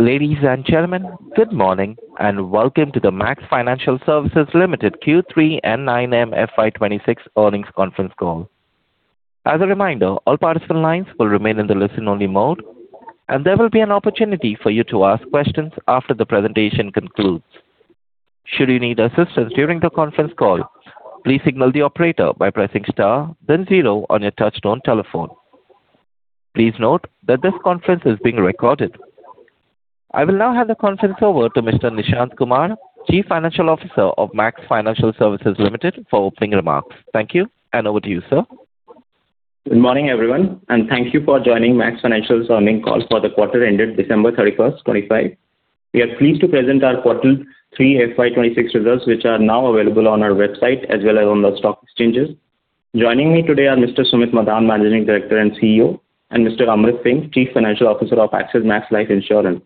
Ladies and gentlemen, good morning, and welcome to the Max Financial Services Limited Q3 and 9M FY 2026 earnings conference call. As a reminder, all participant lines will remain in the listen-only mode, and there will be an opportunity for you to ask questions after the presentation concludes. Should you need assistance during the conference call, please signal the operator by pressing star then zero on your touchtone telephone. Please note that this conference is being recorded. I will now hand the conference over to Mr. Nishant Kumar, Chief Financial Officer of Max Financial Services Limited, for opening remarks. Thank you, and over to you, sir. Good morning, everyone, and thank you for joining Max Financial's earnings call for the quarter ended December 31, 2025. We are pleased to present our quarter 3 FY 2026 results, which are now available on our website as well as on the stock exchanges. Joining me today are Mr. Sumit Madan, Managing Director and CEO, and Mr. Amrit Singh, Chief Financial Officer of Axis Max Life Insurance.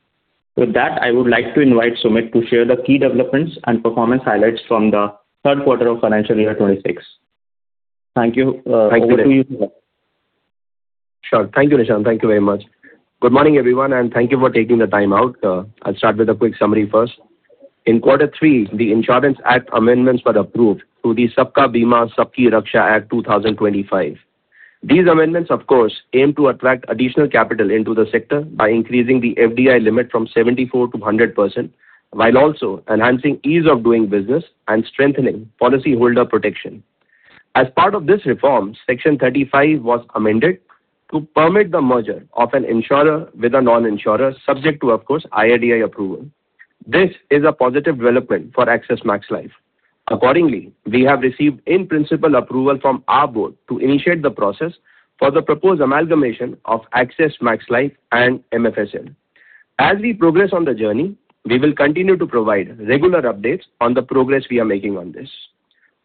With that, I would like to invite Sumit to share the key developments and performance highlights from the third quarter of financial year 2026. Thank you. Over to you, sir. Sure. Thank you, Nishant. Thank you very much. Good morning, everyone, and thank you for taking the time out. I'll start with a quick summary first. In quarter three, the Insurance Act amendments were approved through the Sabka Bima Sabki Raksha Act 2025. These amendments, of course, aim to attract additional capital into the sector by increasing the FDI limit from 74% to 100%, while also enhancing ease of doing business and strengthening policyholder protection. As part of this reform, Section 35 was amended to permit the merger of an insurer with a non-insurer, subject to, of course, IRDAI approval. This is a positive development for Axis Max Life. Accordingly, we have received in-principle approval from our board to initiate the process for the proposed amalgamation of Axis Max Life and MFSL. As we progress on the journey, we will continue to provide regular updates on the progress we are making on this.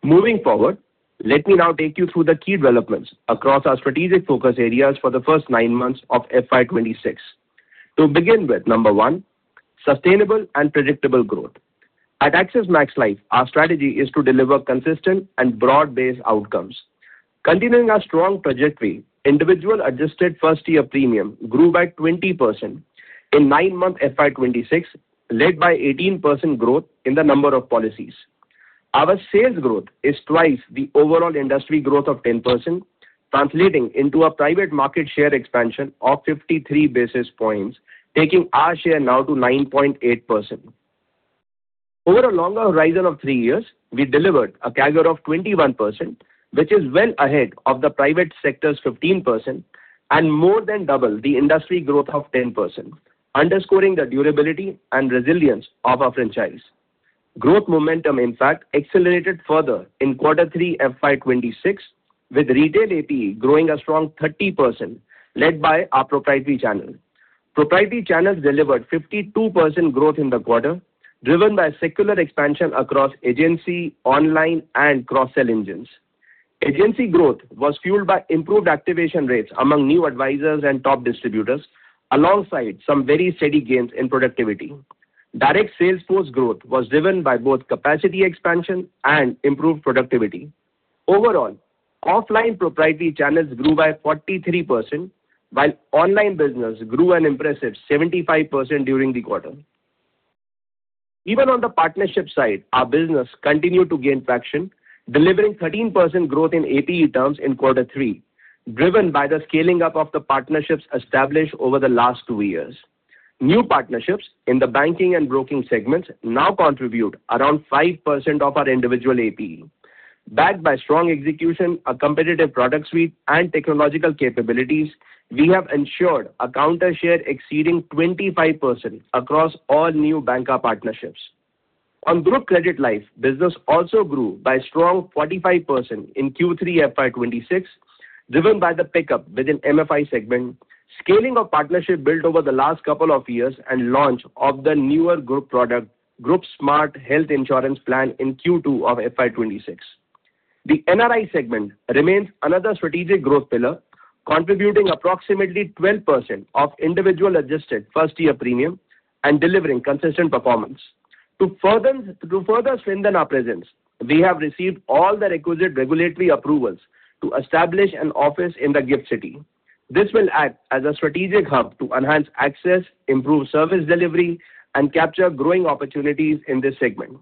Moving forward, let me now take you through the key developments across our strategic focus areas for the first nine months of FY 2026. To begin with, number one, sustainable and predictable growth. At Axis Max Life, our strategy is to deliver consistent and broad-based outcomes. Continuing our strong trajectory, individual adjusted first-year premium grew by 20% in nine months FY 2026, led by 18% growth in the number of policies. Our sales growth is twice the overall industry growth of 10%, translating into a private market share expansion of 53 basis points, taking our share now to 9.8%. Over a longer horizon of 3 years, we delivered a CAGR of 21%, which is well ahead of the private sector's 15% and more than double the industry growth of 10%, underscoring the durability and resilience of our franchise. Growth momentum, in fact, accelerated further in quarter 3 FY 2026, with retail APE growing a strong 30%, led by our proprietary channel. Proprietary channels delivered 52% growth in the quarter, driven by secular expansion across agency, online, and cross-sell engines. Agency growth was fueled by improved activation rates among new advisors and top distributors, alongside some very steady gains in productivity. Direct sales force growth was driven by both capacity expansion and improved productivity. Overall, offline proprietary channels grew by 43%, while online business grew an impressive 75% during the quarter. Even on the partnership side, our business continued to gain traction, delivering 13% growth in APE terms in quarter three, driven by the scaling up of the partnerships established over the last two years. New partnerships in the banking and broking segments now contribute around 5% of our individual APE. Backed by strong execution, a competitive product suite, and technological capabilities, we have ensured a counter share exceeding 25% across all new banca partnerships. On group credit life, business also grew by a strong 45% in Q3 FY 2026, driven by the pickup within MFI segment, scaling of partnership built over the last couple of years, and launch of the newer group product, Group Smart Health Insurance Plan, in Q2 of FY 2026. The NRI segment remains another strategic growth pillar, contributing approximately 12% of individual adjusted first-year premium and delivering consistent performance. To further strengthen our presence, we have received all the requisite regulatory approvals to establish an office in the GIFT City. This will act as a strategic hub to enhance access, improve service delivery, and capture growing opportunities in this segment.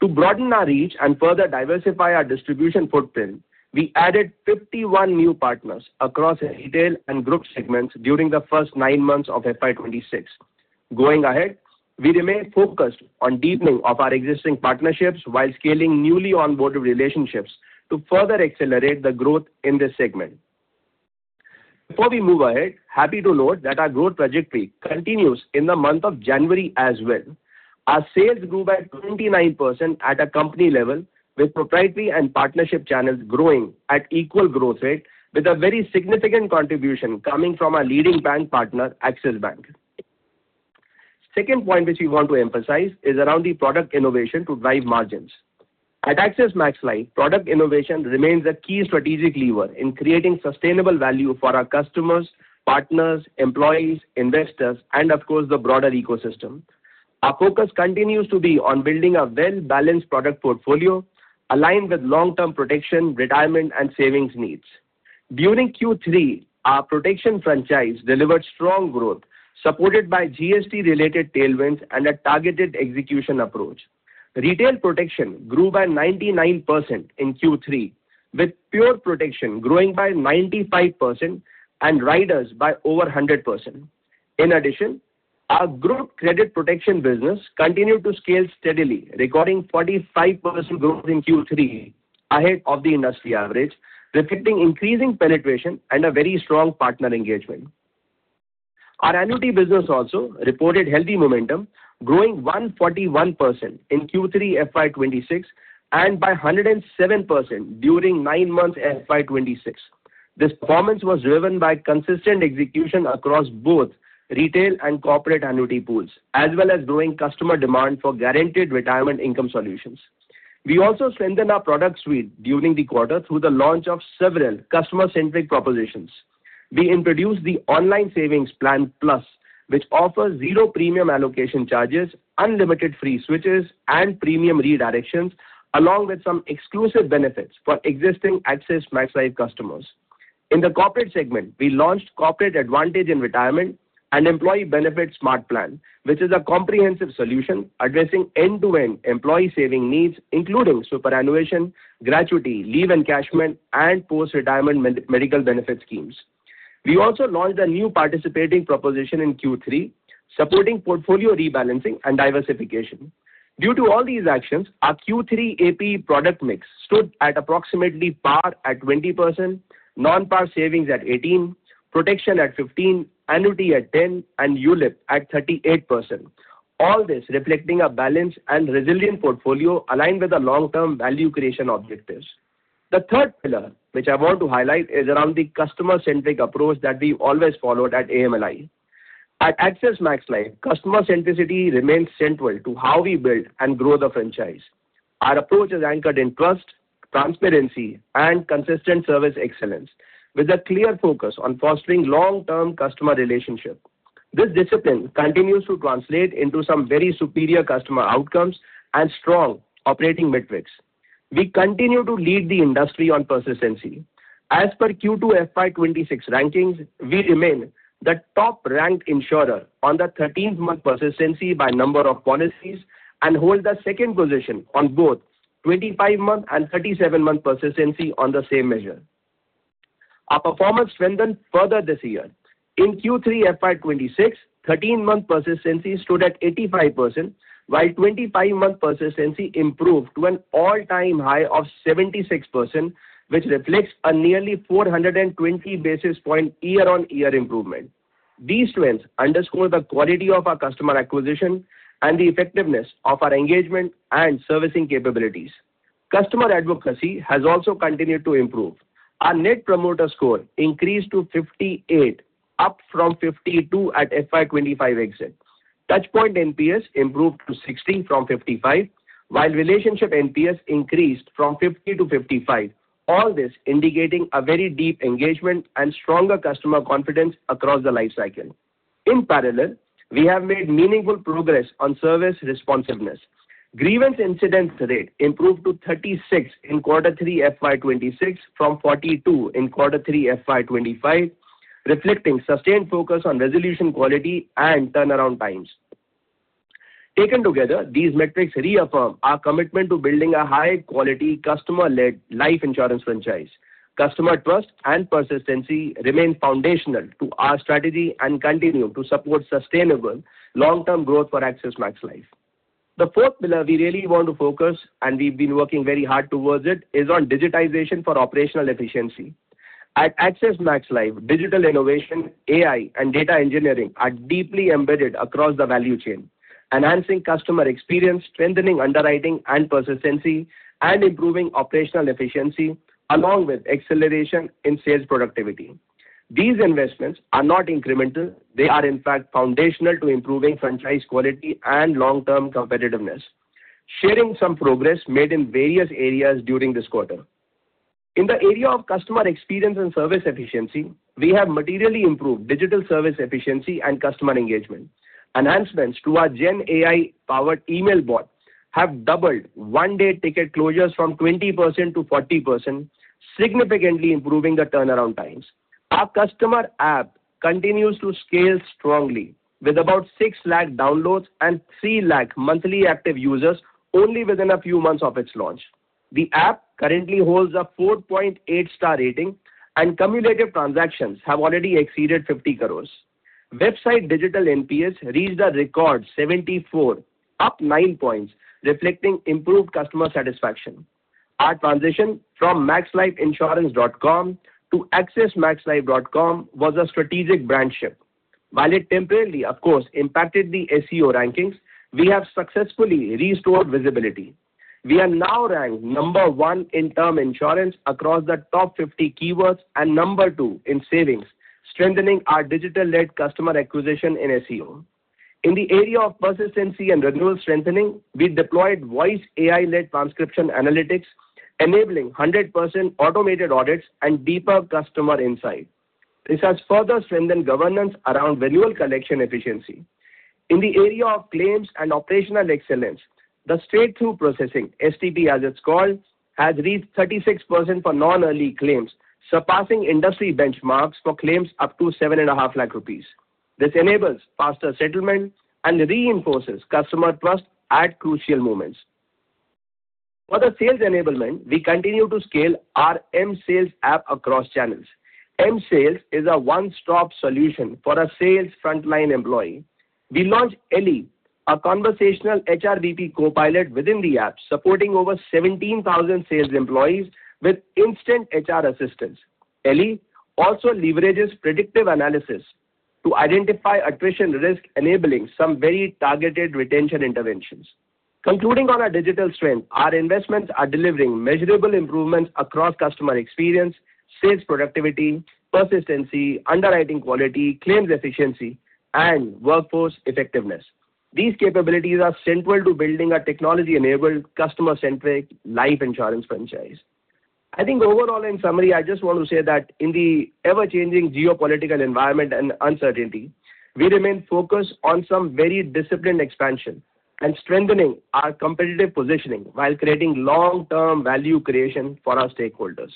To broaden our reach and further diversify our distribution footprint, we added 51 new partners across retail and group segments during the first 9 months of FY 2026. Going ahead, we remain focused on deepening of our existing partnerships while scaling newly onboarded relationships to further accelerate the growth in this segment. Before we move ahead, happy to note that our growth trajectory continues in the month of January as well. Our sales grew by 29% at a company level, with proprietary and partnership channels growing at equal growth rate, with a very significant contribution coming from our leading bank partner, Axis Bank. Second point, which we want to emphasize, is around the product innovation to drive margins. At Axis Max Life, product innovation remains a key strategic lever in creating sustainable value for our customers, partners, employees, investors, and of course, the broader ecosystem. Our focus continues to be on building a well-balanced product portfolio aligned with long-term protection, retirement, and savings needs.... During Q3, our protection franchise delivered strong growth, supported by GST-related tailwinds and a targeted execution approach. Retail protection grew by 99% in Q3, with pure protection growing by 95% and riders by over 100%. In addition, our group credit protection business continued to scale steadily, recording 45% growth in Q3, ahead of the industry average, reflecting increasing penetration and a very strong partner engagement. Our annuity business also reported healthy momentum, growing 141% in Q3 FY 2026, and by 107% during nine months FY 2026. This performance was driven by consistent execution across both retail and corporate annuity pools, as well as growing customer demand for guaranteed retirement income solutions. We also strengthened our product suite during the quarter through the launch of several customer-centric propositions. We introduced the Online Savings Plan Plus, which offers zero premium allocation charges, unlimited free switches, and premium redirections, along with some exclusive benefits for existing Axis Max Life customers. In the corporate segment, we launched Corporate Advantage in Retirement and Employee Benefit Smart Plan, which is a comprehensive solution addressing end-to-end employee saving needs, including superannuation, gratuity, leave encashment, and post-retirement medical benefit schemes. We also launched a new participating proposition in Q3, supporting portfolio rebalancing and diversification. Due to all these actions, our Q3 AP product mix stood at approximately par at 20%, non-par savings at 18%, protection at 15%, annuity at 10%, and ULIP at 38%. All this reflecting a balanced and resilient portfolio aligned with the long-term value creation objectives. The third pillar, which I want to highlight, is around the customer-centric approach that we've always followed at AMLI. At Axis Max Life, customer centricity remains central to how we build and grow the franchise. Our approach is anchored in trust, transparency, and consistent service excellence, with a clear focus on fostering long-term customer relationship. This discipline continues to translate into some very superior customer outcomes and strong operating metrics. We continue to lead the industry on persistency. As per Q2 FY 2026 rankings, we remain the top-ranked insurer on the 13-month persistency by number of policies, and hold the second position on both 25-month and 37-month persistency on the same measure. Our performance strengthened further this year. In Q3 FY 2026, 13-month persistency stood at 85%, while 25-month persistency improved to an all-time high of 76%, which reflects a nearly 420 basis point year-on-year improvement. These trends underscore the quality of our customer acquisition and the effectiveness of our engagement and servicing capabilities. Customer advocacy has also continued to improve. Our Net Promoter Score increased to 58, up from 52 at FY 2025 exit. Touchpoint NPS improved to 60 from 55, while relationship NPS increased from 50 to 55. All this indicating a very deep engagement and stronger customer confidence across the life cycle. In parallel, we have made meaningful progress on service responsiveness. Grievance incidence rate improved to 36 in quarter 3 FY 2026 from 42 in quarter 3 FY 2025, reflecting sustained focus on resolution quality and turnaround times. Taken together, these metrics reaffirm our commitment to building a high-quality, customer-led life insurance franchise. Customer trust and persistency remain foundational to our strategy and continue to support sustainable long-term growth for Axis Max Life. The fourth pillar we really want to focus, and we've been working very hard towards it, is on digitization for operational efficiency. At Axis Max Life, digital innovation, AI, and data engineering are deeply embedded across the value chain, enhancing customer experience, strengthening underwriting and persistency, and improving operational efficiency, along with acceleration in sales productivity. These investments are not incremental. They are in fact foundational to improving franchise quality and long-term competitiveness. Sharing some progress made in various areas during this quarter. In the area of customer experience and service efficiency, we have materially improved digital service efficiency and customer engagement. Enhancements to our Gen AI-powered email bot have doubled one-day ticket closures from 20% to 40%, significantly improving the turnaround times. Our customer app continues to scale strongly, with about 600,000 downloads and 300,000 monthly active users only within a few months of its launch. The app currently holds a 4.8-star rating, and cumulative transactions have already exceeded 50 crore. Website digital NPS reached a record 74, up 9 points, reflecting improved customer satisfaction. Our transition from maxlifeinsurance.com to axismaxlife.com was a strategic brand shift. While it temporarily, of course, impacted the SEO rankings, we have successfully restored visibility. We are now ranked number 1 in term insurance across the top 50 keywords and number 2 in savings, strengthening our digital-led customer acquisition in SEO. In the area of persistency and renewal strengthening, we deployed voice AI-led transcription analytics, enabling 100% automated audits and deeper customer insight. This has further strengthened governance around renewal collection efficiency. In the area of claims and operational excellence, the straight-through processing, STP, as it's called, has reached 36% for non-early claims, surpassing industry benchmarks for claims up to 7.5 lakh rupees. This enables faster settlement and reinforces customer trust at crucial moments. For the sales enablement, we continue to scale our mSales app across channels. mSales is a one-stop solution for a sales frontline employee. We launched Ellie, a conversational HRBP copilot within the app, supporting over 17,000 sales employees with instant HR assistance. Ellie also leverages predictive analysis to identify attrition risk, enabling some very targeted retention interventions. Concluding on our digital strength, our investments are delivering measurable improvements across customer experience, sales, productivity, persistency, underwriting quality, claims efficiency, and workforce effectiveness. These capabilities are central to building a technology-enabled, customer-centric life insurance franchise. I think overall, in summary, I just want to say that in the ever-changing geopolitical environment and uncertainty, we remain focused on some very disciplined expansion and strengthening our competitive positioning while creating long-term value creation for our stakeholders.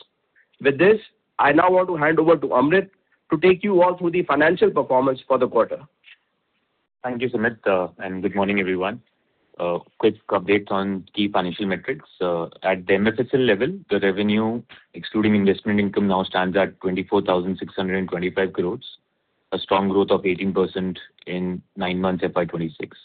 With this, I now want to hand over to Amrit to take you all through the financial performance for the quarter. Thank you, Sumit, and good morning, everyone. Quick update on key financial metrics. At the MFSL level, the revenue, excluding investment income, now stands at 24,625 crore, a strong growth of 18% in nine months FY 2026.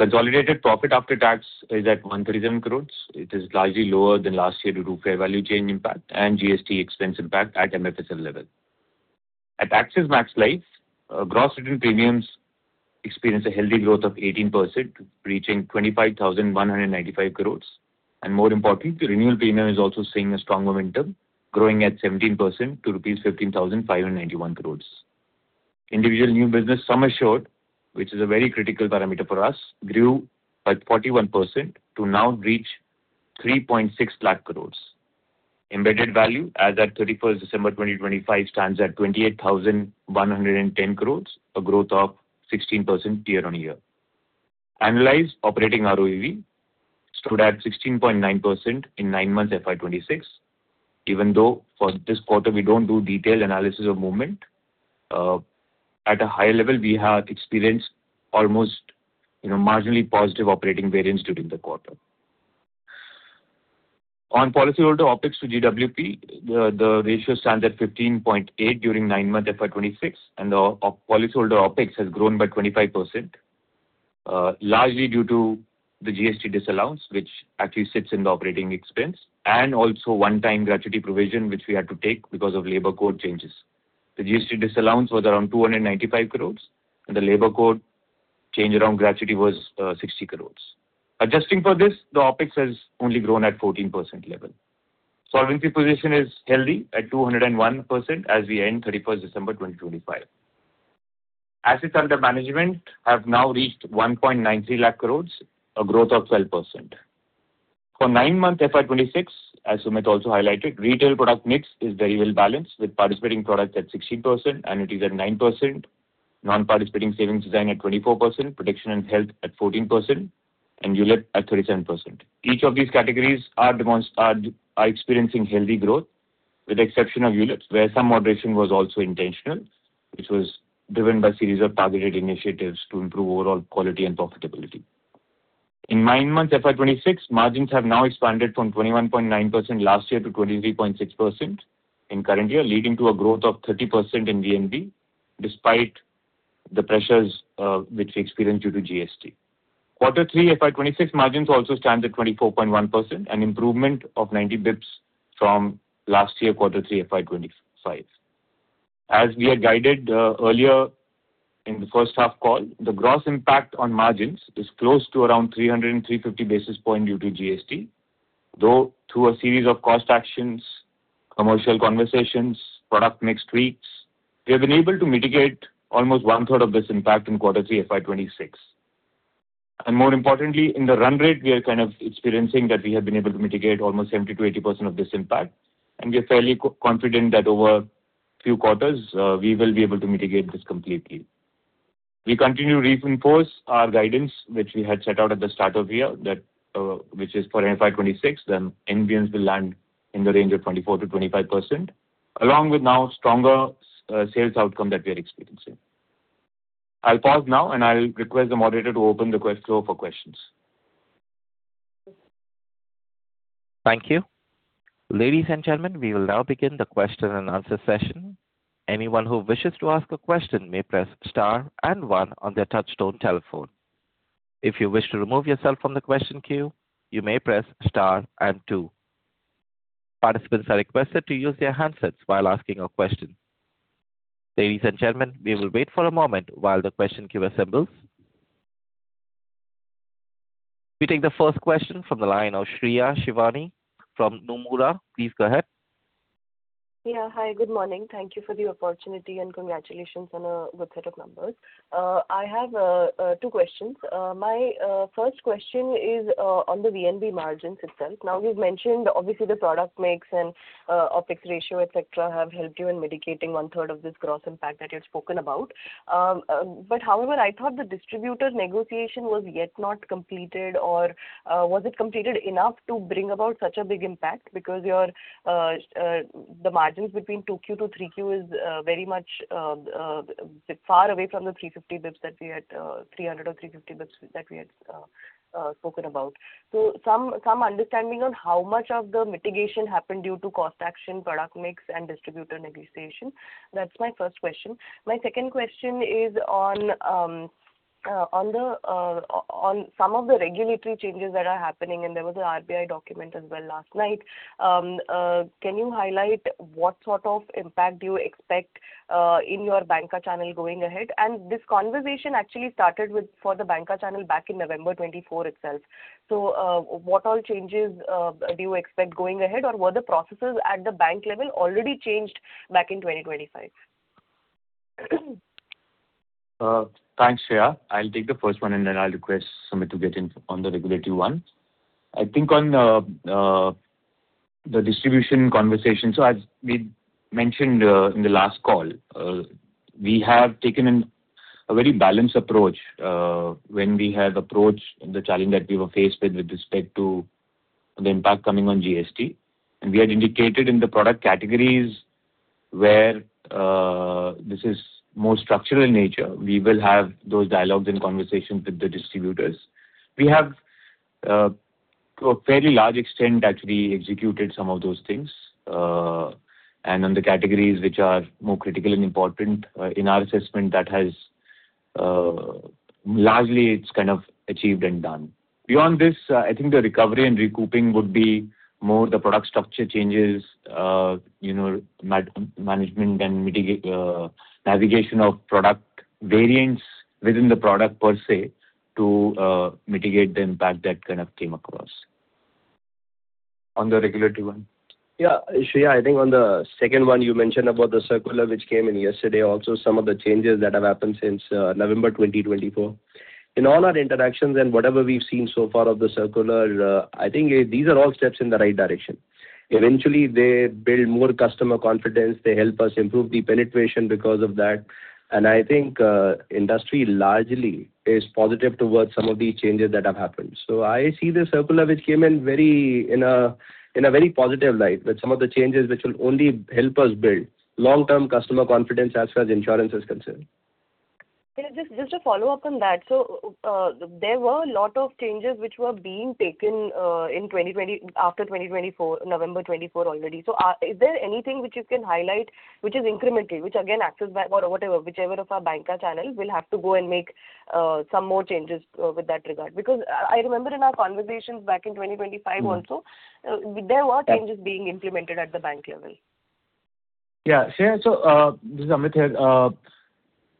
Consolidated profit after tax is at 137 crore. It is largely lower than last year due to fair value change impact and GST expense impact at MFSL level. At Axis Max Life, gross written premiums experienced a healthy growth of 18%, reaching 25,195 crore. And more importantly, the renewal premium is also seeing a strong momentum, growing at 17% to rupees 15,591 crore. Individual new business sum assured, which is a very critical parameter for us, grew by 41% to now reach 360,000 crore. Embedded Value as at 31 December 2025 stands at 28,110 crore, a growth of 16% year-on-year. Annualized operating ROEV stood at 16.9% in 9 months FY 2026. Even though for this quarter we don't do detailed analysis of movement, at a high level, we have experienced almost, you know, marginally positive operating variance during the quarter. On policyholder OpEx to GWP, the ratio stands at 15.8 during 9 months FY 2026, and the policyholder OpEx has grown by 25%, largely due to the GST disallowance, which actually sits in the operating expense, and also one-time gratuity provision, which we had to take because of labor code changes. The GST disallowance was around 295 crore, and the labor code change around gratuity was sixty crore. Adjusting for this, the OpEx has only grown at 14% level. Solvency position is healthy at 201% as we end 31 December 2025. Assets under management have now reached 193,000 crore, a growth of 12%. For nine months, FY 2026, as Sumit also highlighted, retail product mix is very well balanced, with participating products at 16%, annuities at 9%, non-participating savings design at 24%, protection and health at 14%, and ULIP at 37%. Each of these categories are experiencing healthy growth, with the exception of ULIPs, where some moderation was also intentional, which was driven by a series of targeted initiatives to improve overall quality and profitability. In 9 months, FY 2026, margins have now expanded from 21.9% last year to 23.6% in current year, leading to a growth of 30% in VNB despite the pressures, which we experienced due to GST. Q3 FY 2026 margins also stand at 24.1%, an improvement of 90 basis points from last year, Q3 FY 2025. As we had guided, earlier in the first half call, the gross impact on margins is close to around 300-350 basis points due to GST. Though through a series of cost actions, commercial conversations, product mix tweaks, we have been able to mitigate almost one-third of this impact in Q3 FY 2026. And more importantly, in the run rate, we are kind of experiencing that we have been able to mitigate almost 70%-80% of this impact, and we are fairly confident that over a few quarters, we will be able to mitigate this completely. We continue to reinforce our guidance, which we had set out at the start of the year, that, which is for FY 2026, NBMs will land in the range of 24%-25%, along with now stronger, sales outcome that we are experiencing. I'll pause now, and I'll request the moderator to open the floor for questions. Thank you. Ladies and gentlemen, we will now begin the question-and-answer session. Anyone who wishes to ask a question may press star and one on their touch-tone telephone. If you wish to remove yourself from the question queue, you may press star and two. Participants are requested to use their handsets while asking a question. Ladies and gentlemen, we will wait for a moment while the question queue assembles. We take the first question from the line of Shreya Shivani from Nomura. Please go ahead. ... Yeah. Hi, good morning. Thank you for the opportunity, and congratulations on a good set of numbers. I have two questions. My first question is on the VNB margins itself. Now, you've mentioned obviously the product mix and OpEx ratio, et cetera, have helped you in mitigating one third of this gross impact that you've spoken about. But however, I thought the distributor negotiation was yet not completed, or was it completed enough to bring about such a big impact? Because the margins between 2Q to 3Q is very much far away from the 350 basis points that we had, 300 or 350 basis points that we had spoken about. So some understanding on how much of the mitigation happened due to cost action, product mix, and distributor negotiation. That's my first question. My second question is on some of the regulatory changes that are happening, and there was an RBI document as well last night. Can you highlight what sort of impact do you expect in your banca channel going ahead? And this conversation actually started with for the banca channel back in November 2024 itself. So, what all changes do you expect going ahead, or were the processes at the bank level already changed back in 2025? Thanks, Shreya. I'll take the first one, and then I'll request Sumit to get in on the regulatory one. I think on the distribution conversation, so as we mentioned in the last call, we have taken a very balanced approach when we have approached the challenge that we were faced with with respect to the impact coming on GST. And we had indicated in the product categories where this is more structural in nature, we will have those dialogues and conversations with the distributors. We have to a fairly large extent actually executed some of those things. And on the categories which are more critical and important in our assessment that has largely it's kind of achieved and done. Beyond this, I think the recovery and recouping would be more the product structure changes, you know, management and mitigation, navigation of product variants within the product per se, to mitigate the impact that kind of came across. On the regulatory one. Yeah, Shriya, I think on the second one you mentioned about the circular, which came in yesterday, also some of the changes that have happened since November 2024. In all our interactions and whatever we've seen so far of the circular, I think these are all steps in the right direction. Eventually, they build more customer confidence. They help us improve the penetration because of that, and I think, industry largely is positive towards some of these changes that have happened. So I see the circular, which came in, in a very positive light, with some of the changes which will only help us build long-term customer confidence as far as insurance is concerned. Yeah, just, just to follow up on that. So, there were a lot of changes which were being taken, in 2024—after 2024, November 2024 already. So, is there anything which you can highlight, which is incremental, which again, Axis Bank or whatever, whichever of our banker channel will have to go and make, some more changes with that regard? Because I remember in our conversations back in 2025 also, there were changes being implemented at the bank level. Yeah, Shriya, this is Amrit here.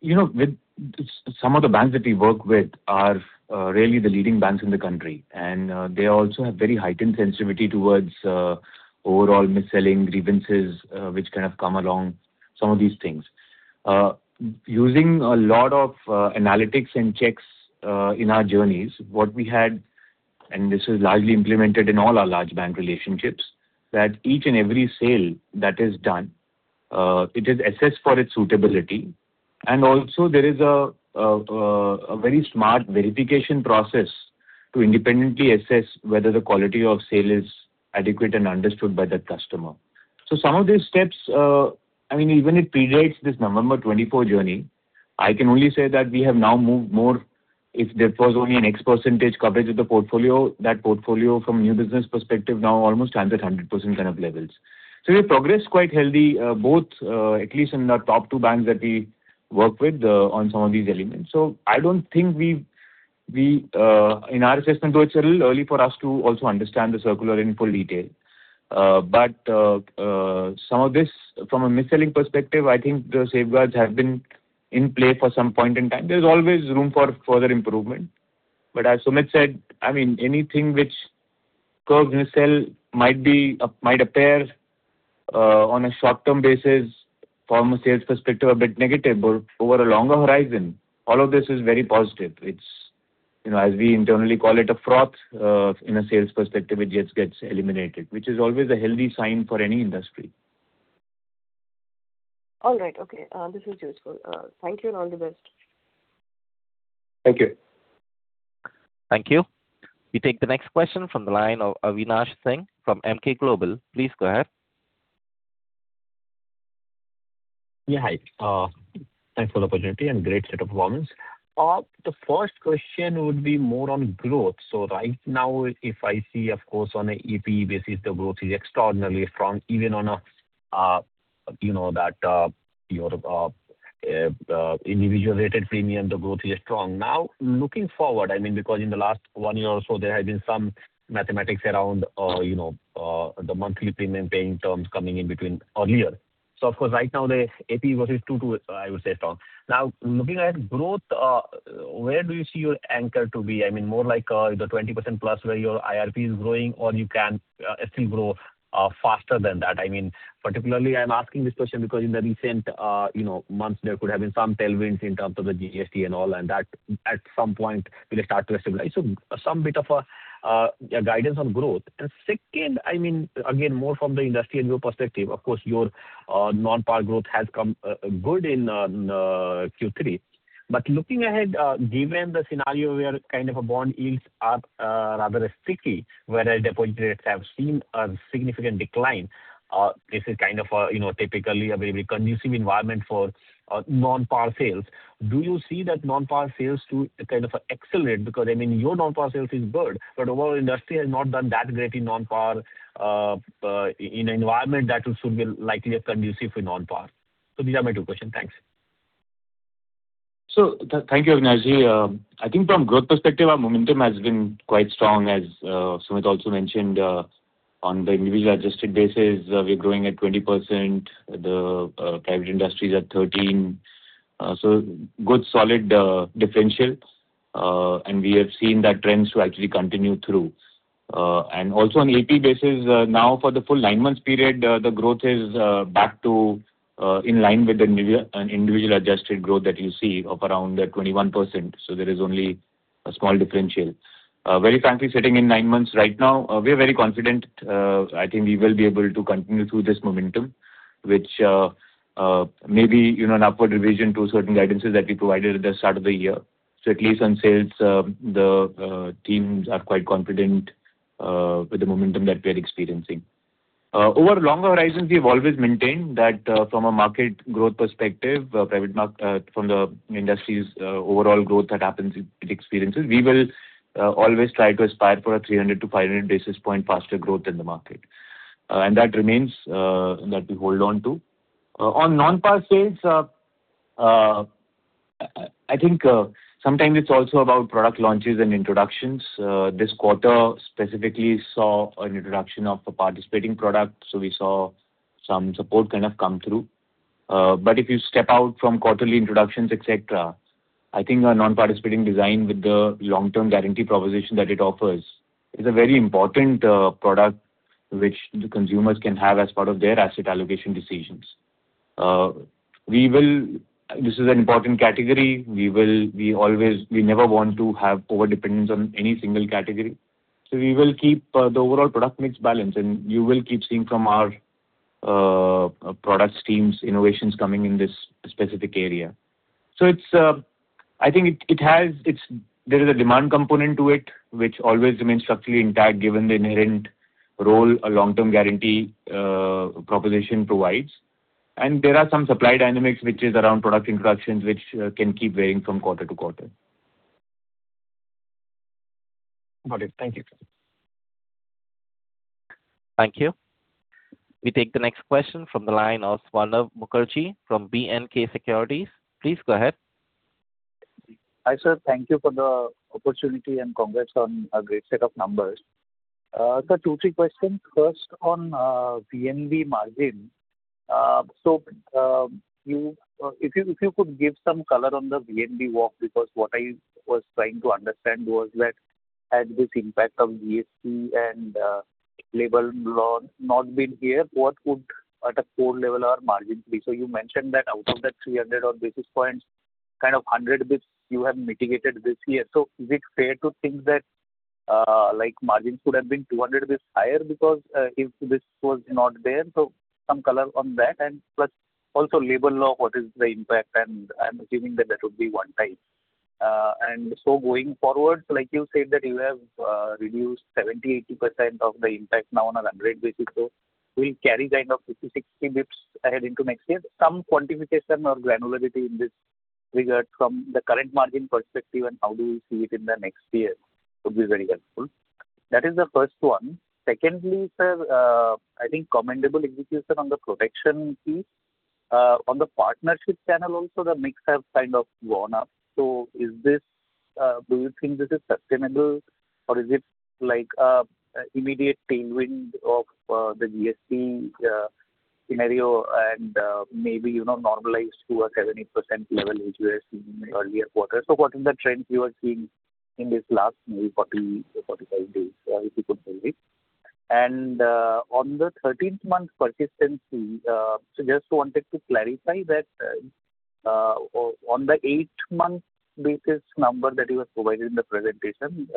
You know, with some of the banks that we work with are really the leading banks in the country, and they also have very heightened sensitivity towards overall mis-selling grievances, which kind of come along some of these things. Using a lot of analytics and checks in our journeys, what we had, and this is largely implemented in all our large bank relationships, that each and every sale that is done, it is assessed for its suitability. And also there is a very smart verification process to independently assess whether the quality of sale is adequate and understood by the customer. So some of these steps, I mean, even it predates this November 2024 journey. I can only say that we have now moved more... If there was only an X% coverage of the portfolio, that portfolio from a new business perspective now almost stands at 100% kind of levels. So we've progressed quite healthy, both, at least in the top two banks that we work with, on some of these elements. So I don't think we've in our assessment, though, it's a little early for us to also understand the circular in full detail. But some of this from a mis-selling perspective, I think the safeguards have been in play for some point in time. There's always room for further improvement. But as Sumit said, I mean, anything which curbs mis-selling might appear on a short-term basis from a sales perspective, a bit negative, but over a longer horizon, all of this is very positive. It's, you know, as we internally call it, a froth in a sales perspective. It just gets eliminated, which is always a healthy sign for any industry. All right. Okay, this is useful. Thank you, and all the best. Thank you. Thank you. We take the next question from the line of Avinash Singh from Emkay Global. Please go ahead. Yeah, hi. Thanks for the opportunity and great set of performance. The first question would be more on growth. So right now, if I see, of course, on an APE basis, the growth is extraordinarily strong, even on a, you know, that, your individual rated premium, the growth is strong. Now, looking forward, I mean, because in the last one year or so, there has been some mathematics around, you know, the monthly premium paying terms coming in between earlier. So of course, right now the AP versus 2, 2, I would say strong. Now looking at growth, where do you see your anchor to be? I mean, more like, the 20%+ where your IRP is growing, or you can still grow faster than that. I mean, particularly I'm asking this question because in the recent, you know, months, there could have been some tailwinds in terms of the GST and all, and that at some point will start to stabilize. So some bit of a, guidance on growth. And second, I mean, again, more from the industry and your perspective, of course, your, non-par growth has come, good in, Q3. But looking ahead, given the scenario where kind of a bond yields are, rather sticky, whereas deposit rates have seen a significant decline, this is kind of a, you know, typically a very conducive environment for, non-par sales. Do you see that non-par sales to kind of accelerate? Because, I mean, your Non-Par sales is good, but overall industry has not done that great in Non-Par, in an environment that will soon be likely conducive for Non-Par. So these are my two questions. Thanks. So thank you, Avinash-ji. I think from growth perspective, our momentum has been quite strong, as Sumit also mentioned, on the individual adjusted basis, we're growing at 20%, the private industry is at 13%. So good, solid differential. And we have seen that trends to actually continue through. And also on AP basis, now for the full nine months period, the growth is back to in line with the individual adjusted growth that you see of around 21%. So there is only a small differential. Very frankly, sitting in nine months right now, we are very confident. I think we will be able to continue through this momentum, which may be, you know, an upward revision to certain guidances that we provided at the start of the year. So at least on sales, the teams are quite confident with the momentum that we are experiencing. Over longer horizons, we've always maintained that, from a market growth perspective, from the industry's overall growth that happens, it experiences, we will always try to aspire for a 300-500 basis point faster growth in the market. And that remains, that we hold on to. On non-par sales, I think, sometimes it's also about product launches and introductions. This quarter specifically saw an introduction of a participating product, so we saw some support kind of come through. But if you step out from quarterly introductions, et cetera, I think our non-participating design with the long-term guarantee proposition that it offers is a very important product which the consumers can have as part of their asset allocation decisions. This is an important category. We never want to have overdependence on any single category. So we will keep the overall product mix balance, and you will keep seeing from our product teams, innovations coming in this specific area. So it's, I think it has. There is a demand component to it, which always remains structurally intact, given the inherent role a long-term guarantee proposition provides. There are some supply dynamics which is around product introductions, which can keep varying from quarter to quarter. Got it. Thank you. Thank you. We take the next question from the line of Swarnabha Mukherjee from B&K Securities. Please go ahead. Hi, sir. Thank you for the opportunity and congrats on a great set of numbers. Sir, 2-3 questions. First, on VNB margin. So, if you could give some color on the VNB walk, because what I was trying to understand was that had this impact of GST and labor law not been here, what would at a core level our margin be? So you mentioned that out of the 300-odd basis points, kind of 100 basis points you have mitigated this year. So is it fair to think that, like margins could have been 200 basis points higher because, if this was not there? So some color on that, and but also labor law, what is the impact? And I'm assuming that that would be one-time. And so going forward, like you said, that you have reduced 70%-80% of the impact now on a 100 basis, so will you carry kind of 50-60 bits ahead into next year? Some quantification or granularity in this regard from the current margin perspective and how do you see it in the next year would be very helpful. That is the first one. Secondly, sir, I think commendable execution on the protection piece. On the partnership channel also the mix has kind of gone up. So is this, do you think this is sustainable, or is it like an immediate tailwind of the GST scenario and maybe, you know, normalized to a 7%-8% level, which we have seen in earlier quarters? So what is the trend you are seeing in this last maybe 40, 45 days, if you could tell me. And on the 13th month persistency, so just wanted to clarify that, on the 8-month basis number that you have provided in the presentation,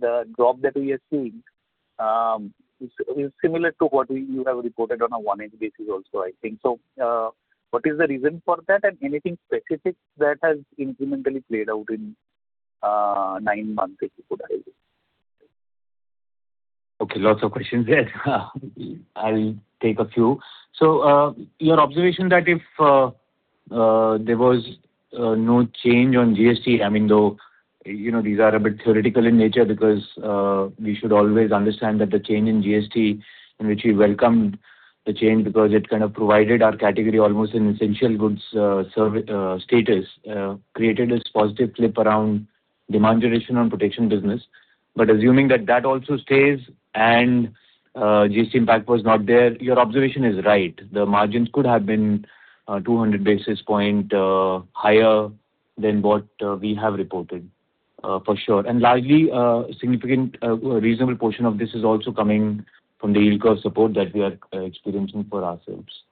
the drop that we are seeing is similar to what you have reported on a 13th basis also, I think. So what is the reason for that, and anything specific that has incrementally played out in 9 months, if you could, I think. Okay, lots of questions there. I'll take a few. So, your observation that if there was no change on GST, I mean, though, you know, these are a bit theoretical in nature because we should always understand that the change in GST, in which we welcomed the change, because it kind of provided our category almost an essential goods service status, created this positive flip around demand duration on protection business... But assuming that that also stays and GST impact was not there, your observation is right. The margins could have been 200 basis points higher than what we have reported, for sure. And largely, significant, reasonable portion of this is also coming from the yield curve support that we are experiencing for ourselves.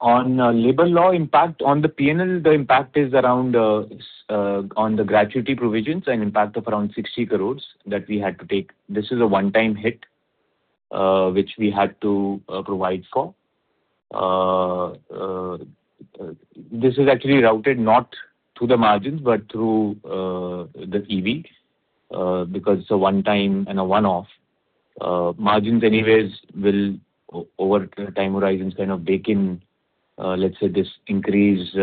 On labor law impact, on the P&L, the impact is around on the gratuity provisions, an impact of around 60 crore that we had to take. This is a one-time hit, which we had to provide for. This is actually routed not through the margins, but through the EV, because it's a one-time and a one-off. Margins anyways will over time horizons kind of bake in, let's say, this increased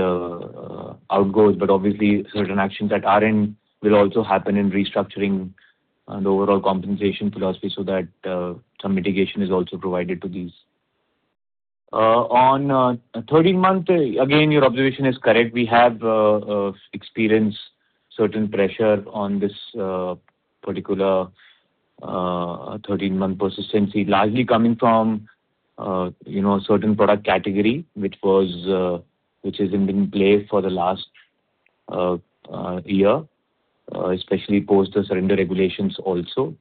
outgoes, but obviously certain actions at our end will also happen in restructuring and overall compensation philosophy, so that some mitigation is also provided to these. On 13-month, again, your observation is correct. We have experienced certain pressure on this particular 13-month persistency, largely coming from, you know, certain product category, which has been in place for the last year, especially post the surrender regulations also.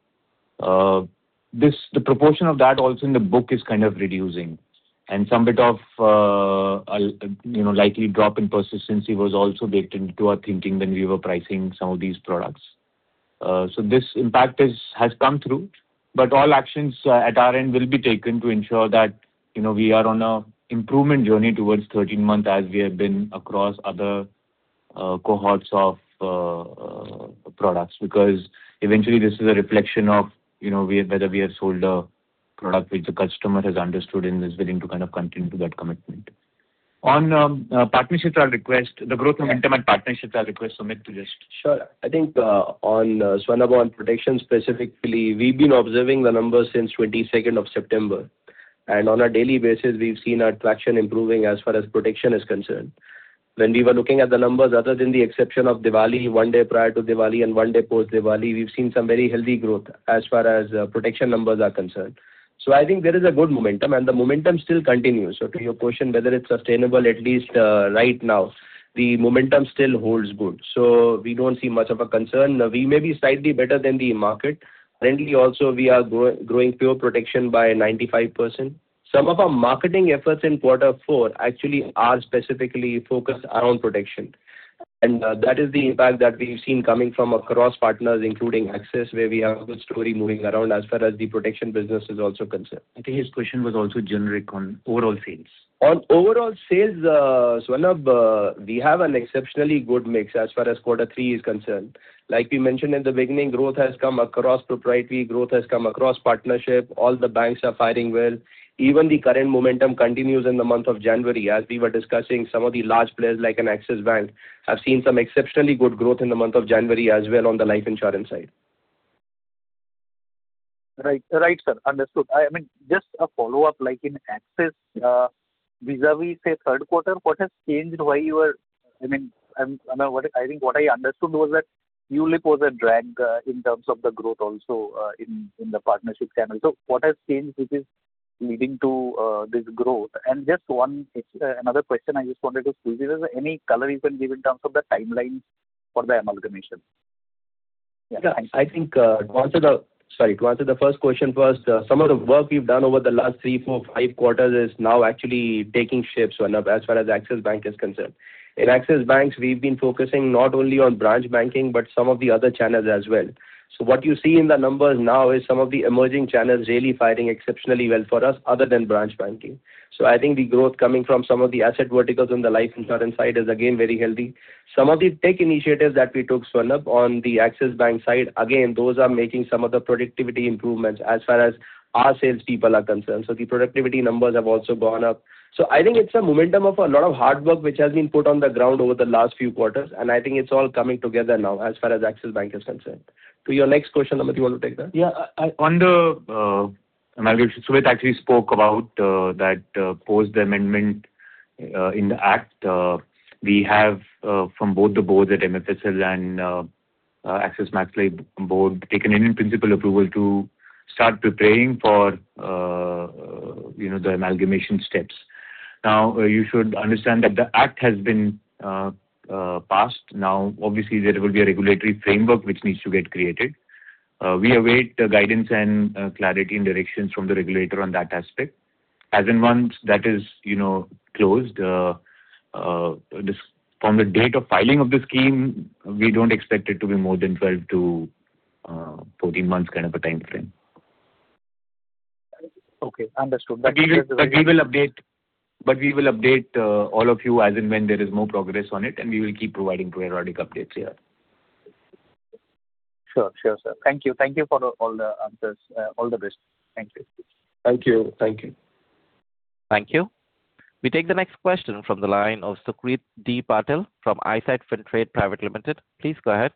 This, the proportion of that also in the book is kind of reducing, and some bit of, you know, likely drop in persistency was also baked into our thinking when we were pricing some of these products. So this impact has come through, but all actions at our end will be taken to ensure that, you know, we are on a improvement journey towards 13-month, as we have been across other cohorts of products. Because eventually this is a reflection of, you know, whether we have sold a product which the customer has understood and is willing to kind of continue to that commitment. On partnerships, our request, the growth momentum and partnerships, our request, Sumit to just- Sure. I think, on Swarnaba on protection specifically, we've been observing the numbers since 22nd of September, and on a daily basis, we've seen our traction improving as far as protection is concerned. When we were looking at the numbers, other than the exception of Diwali, one day prior to Diwali and one day post-Diwali, we've seen some very healthy growth as far as protection numbers are concerned. So I think there is a good momentum, and the momentum still continues. So to your question, whether it's sustainable, at least, right now, the momentum still holds good. So we don't see much of a concern. We may be slightly better than the market. Currently, also, we are growing pure protection by 95%. Some of our marketing efforts in quarter four actually are specifically focused around protection, and that is the impact that we've seen coming from across partners, including Axis, where we have a good story moving around as far as the protection business is also concerned. I think his question was also generic on overall sales. On overall sales, Swarnaba, we have an exceptionally good mix as far as quarter three is concerned. Like we mentioned in the beginning, growth has come across proprietary, growth has come across partnership. All the banks are firing well. Even the current momentum continues in the month of January. As we were discussing, some of the large players, like an Axis Bank, have seen some exceptionally good growth in the month of January as well on the life insurance side. Right. Right, sir. Understood. I mean, just a follow-up, like in Axis, vis-a-vis, say, third quarter, what has changed, I mean, what I think I understood was that ULIP was a drag in terms of the growth also in the partnership channel. So what has changed which is leading to this growth? And just one another question I just wanted to squeeze in. Is there any color you can give in terms of the timeline for the amalgamation? Yeah, I think, to answer the—sorry, to answer the first question first, some of the work we've done over the last 3, 4, 5 quarters is now actually taking shape, Swarnaba, as far as Axis Bank is concerned. In Axis Bank, we've been focusing not only on branch banking, but some of the other channels as well. So what you see in the numbers now is some of the emerging channels really fighting exceptionally well for us other than branch banking. So I think the growth coming from some of the asset verticals on the life insurance side is again, very healthy. Some of the tech initiatives that we took, Swarnaba, on the Axis Bank side, again, those are making some of the productivity improvements as far as our salespeople are concerned. So the productivity numbers have also gone up. So I think it's a momentum of a lot of hard work, which has been put on the ground over the last few quarters, and I think it's all coming together now as far as Axis Bank is concerned. To your next question, Sumit, you want to take that? Yeah, I, on the, amalgamation, Sumit actually spoke about, that, post the amendment, in the act. We have, from both the boards at MFSL and, Axis Max Life board, taken an in-principle approval to start preparing for, you know, the amalgamation steps. Now, you should understand that the act has been, passed. Now, obviously, there will be a regulatory framework which needs to get created. We await the guidance and, clarity and directions from the regulator on that aspect. As in once that is, you know, closed, from the date of filing of the scheme, we don't expect it to be more than 12-14 months, kind of a timeframe. Okay, understood. But we will update all of you as and when there is more progress on it, and we will keep providing periodic updates here. Sure. Sure, sir. Thank you. Thank you for all the answers. All the best. Thank you. Thank you. Thank you. Thank you. We take the next question from the line of Suchit Patel from ICICI Trade Private Limited. Please go ahead.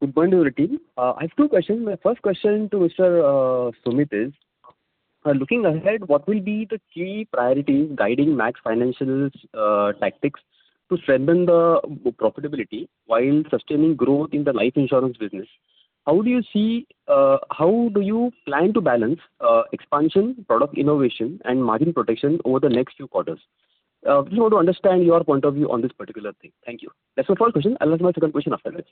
Good morning to your team. I have two questions. My first question to Mr. Sumit is: Looking ahead, what will be the key priorities guiding Max Financial's tactics to strengthen the profitability while sustaining growth in the life insurance business? How do you see, how do you plan to balance expansion, product innovation, and margin protection over the next few quarters? Just want to understand your point of view on this particular thing. Thank you. That's my first question. I'll ask my second question after this.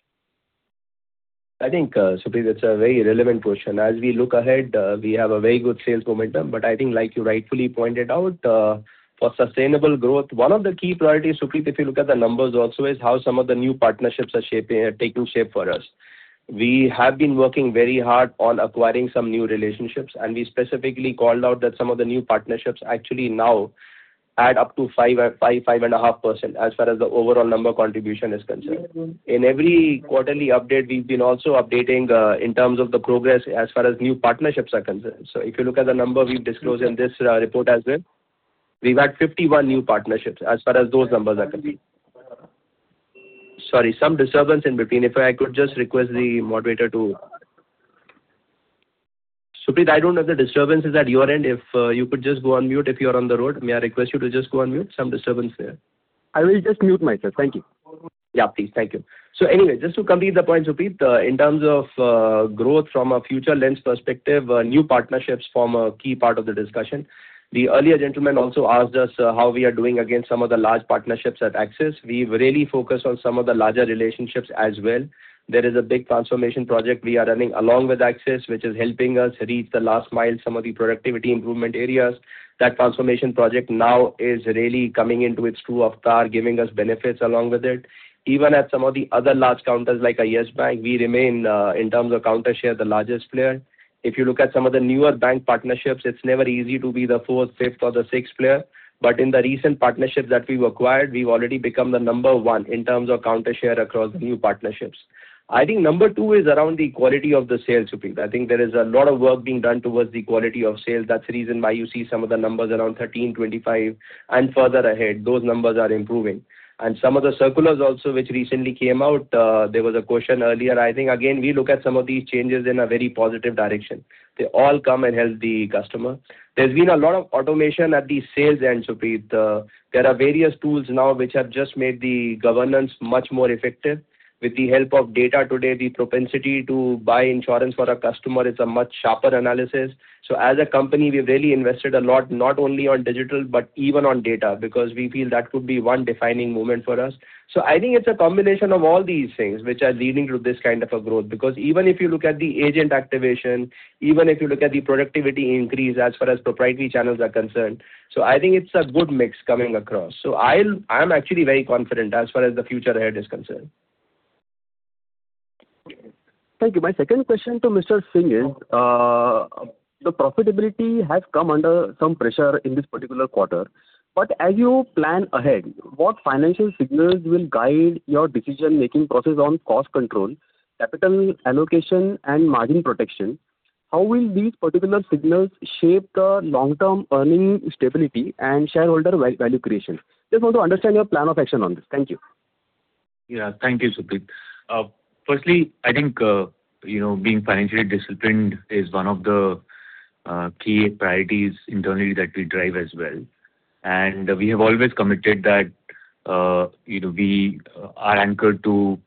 I think, Suchit, it's a very relevant question. As we look ahead, we have a very good sales momentum, but I think like you rightfully pointed out, for sustainable growth, one of the key priorities, Suchit, if you look at the numbers also, is how some of the new partnerships are shaping, are taking shape for us. We have been working very hard on acquiring some new relationships, and we specifically called out that some of the new partnerships actually now add up to 5.5% as far as the overall number contribution is concerned. In every quarterly update, we've been also updating, in terms of the progress as far as new partnerships are concerned. So if you look at the number we've disclosed in this report as well, we've had 51 new partnerships as far as those numbers are concerned. Sorry, some disturbance in between. If I could just request the moderator to... Suchit, I don't know if the disturbance is at your end. If you could just go on mute if you are on the road. May I request you to just go on mute? Some disturbance there. I will just mute myself. Thank you. Yeah, please. Thank you. So anyway, just to complete the point, Suchit, in terms of growth from a future lens perspective, new partnerships form a key part of the discussion. The earlier gentleman also asked us how we are doing against some of the large partnerships at Axis. We've really focused on some of the larger relationships as well. There is a big transformation project we are running along with Axis, which is helping us reach the last mile, some of the productivity improvement areas. That transformation project now is really coming into its true avatar, giving us benefits along with it. Even at some of the other large counters, like a Yes Bank, we remain in terms of Counter Share, the largest player. If you look at some of the newer bank partnerships, it's never easy to be the fourth, fifth or the sixth player. But in the recent partnerships that we've acquired, we've already become the number one in terms of Counter Share across new partnerships. I think number two is around the quality of the sales, Suchit. I think there is a lot of work being done towards the quality of sales. That's the reason why you see some of the numbers around 13, 25, and further ahead, those numbers are improving. And some of the circulars also, which recently came out, there was a question earlier. I think, again, we look at some of these changes in a very positive direction. They all come and help the customer. There's been a lot of automation at the sales end, Suchit. There are various tools now which have just made the governance much more effective. With the help of data today, the propensity to buy insurance for a customer is a much sharper analysis. So as a company, we've really invested a lot, not only on digital, but even on data, because we feel that could be one defining moment for us. So I think it's a combination of all these things which are leading to this kind of a growth. Because even if you look at the agent activation, even if you look at the productivity increase as far as proprietary channels are concerned, so I think it's a good mix coming across. So, I'm actually very confident as far as the future ahead is concerned. Thank you. My second question to Mr. Singh is, the profitability has come under some pressure in this particular quarter. But as you plan ahead, what financial signals will guide your decision-making process on cost control, capital allocation, and margin protection? How will these particular signals shape the long-term earning stability and shareholder value creation? Just want to understand your plan of action on this. Thank you. Yeah. Thank you, Suchit. First, I think you know, being financially disciplined is one of the key priorities internally that we drive as well. And we have always committed that you know, we are anchored to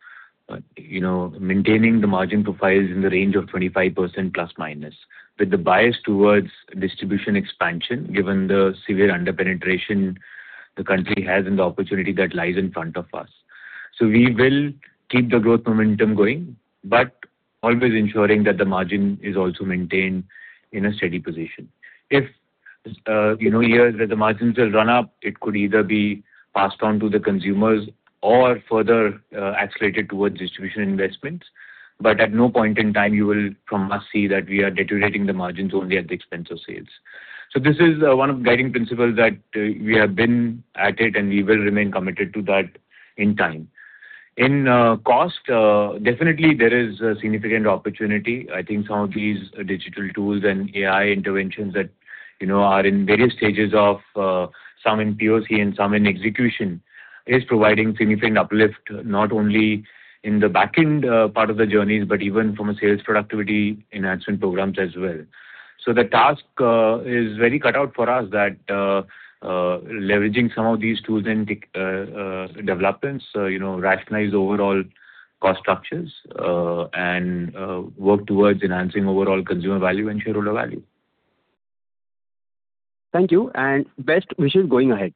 you know, maintaining the margin profiles in the range of 25% plus, minus. With the bias towards distribution expansion, given the severe under-penetration the country has and the opportunity that lies in front of us. So we will keep the growth momentum going, but always ensuring that the margin is also maintained in a steady position. If you know, hear that the margins will run up, it could either be passed on to the consumers or further accelerated towards distribution investments. But at no point in time you will, from us, see that we are deteriorating the margins only at the expense of sales. So this is one of the guiding principles that we have been at it, and we will remain committed to that in time. In cost, definitely there is a significant opportunity. I think some of these digital tools and AI interventions that, you know, are in various stages of, some in POC and some in execution, is providing significant uplift, not only in the back-end part of the journeys, but even from a sales productivity enhancement programs as well. So the task is very cut out for us that leveraging some of these tools and developments, you know, rationalize overall cost structures, and work towards enhancing overall consumer value and shareholder value. Thank you, and best wishes going ahead.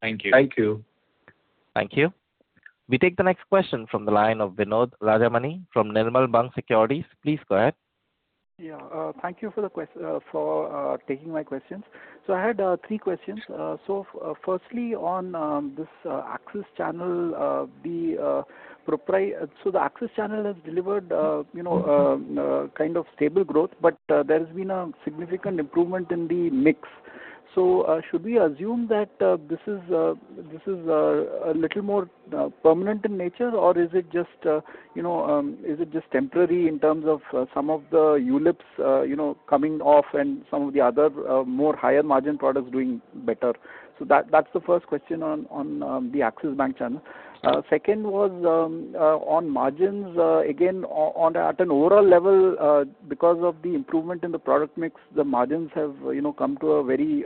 Thank you. Thank you. Thank you. We take the next question from the line of Vinod Rajamani from Nirmal Bang Securities. Please go ahead. Yeah, thank you for taking my questions. So I had three questions. So firstly, on this Axis channel. So the Axis channel has delivered, you know, kind of stable growth, but there has been a significant improvement in the mix. So, should we assume that this is a little more permanent in nature? Or is it just, you know, is it just temporary in terms of some of the ULIPs, you know, coming off and some of the other more higher margin products doing better? So that's the first question on the Axis Bank channel. Second was on margins. Again, on at an overall level, because of the improvement in the product mix, the margins have, you know, come to a very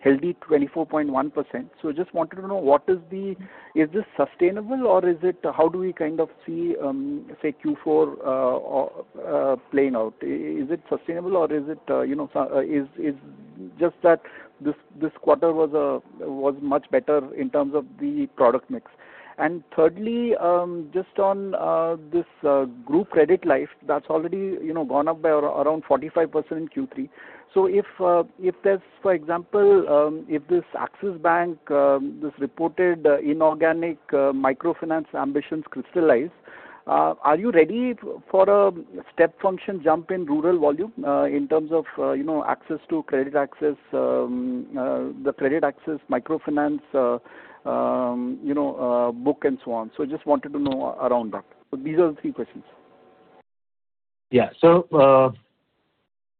healthy 24.1%. So just wanted to know, what is the- is this sustainable or is it... How do we kind of see, say, Q4 playing out? Is it sustainable or is it, you know, so, is just that this, this quarter was much better in terms of the product mix? And thirdly, just on this group credit life, that's already, you know, gone up by around 45% in Q3. If there's, for example, if this Axis Bank, this reported inorganic microfinance ambitions crystallize, are you ready for a step function jump in rural volume, in terms of, you know, access to credit access, microfinance, you know, book and so on? Just wanted to know around that. These are the three questions. Yeah. So,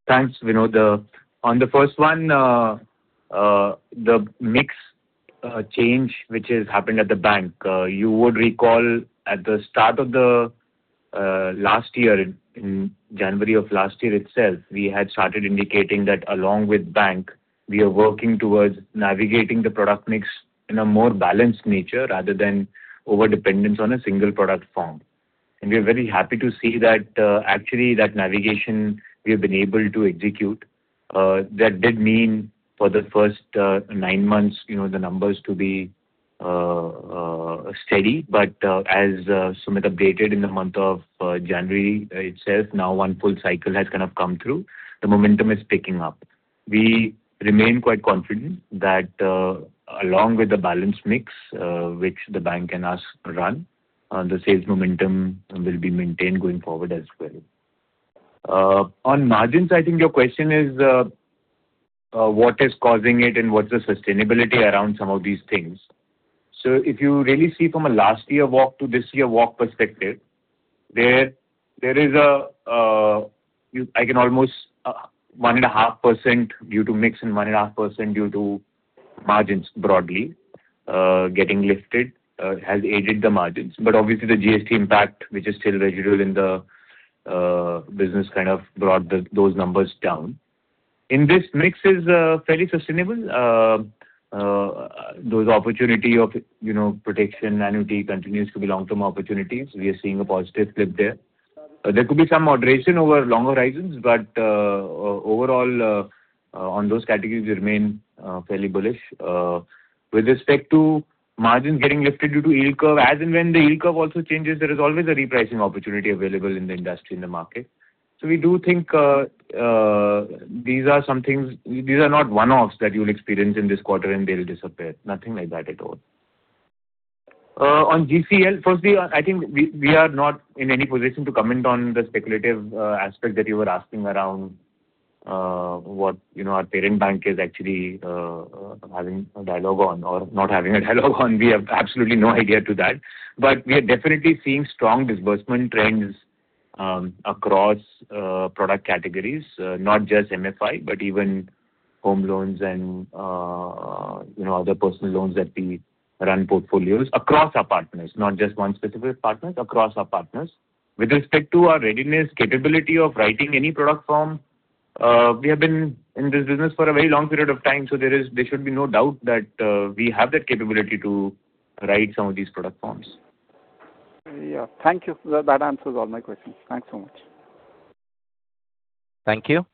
thanks, Vinod. On the first one, the mix change, which has happened at the bank, you would recall at the start of the last year, in January of last year itself, we had started indicating that along with bank, we are working towards navigating the product mix in a more balanced nature rather than overdependence on a single product form. And we are very happy to see that, actually, that navigation we have been able to execute. That did mean for the first nine months, you know, the numbers to be steady. But as Sumit updated in the month of January itself, now one full cycle has kind of come through. The momentum is picking up. We remain quite confident that, along with the balance mix, which the bank and us run, the sales momentum will be maintained going forward as well. On margins, I think your question is, what is causing it and what's the sustainability around some of these things? So if you really see from a last year walk to this year walk perspective, there is almost 1.5% due to mix and 1.5% due to margins broadly getting lifted, has aided the margins. But obviously the GST impact, which is still residual in the business, kind of brought those numbers down. And this mix is fairly sustainable. Those opportunity of, you know, protection, annuity continues to be long-term opportunities. We are seeing a positive flip there. There could be some moderation over longer horizons, but overall, on those categories, we remain fairly bullish. With respect to margins getting lifted due to yield curve, as and when the yield curve also changes, there is always a repricing opportunity available in the industry, in the market. So we do think these are some things... These are not one-offs that you'll experience in this quarter, and they'll disappear. Nothing like that at all. On GCL, firstly, I think we are not in any position to comment on the speculative aspect that you were asking around, what, you know, our parent bank is actually having a dialogue on or not having a dialogue on. We have absolutely no idea to that. But we are definitely seeing strong disbursement trends across product categories, not just MFI, but even home loans and, you know, other personal loans that we run portfolios across our partners, not just one specific partner, across our partners. With respect to our readiness, capability of writing any product form, we have been in this business for a very long period of time, so there should be no doubt that we have that capability to write some of these product forms. Yeah. Thank you. That answers all my questions. Thanks so much. Thank you.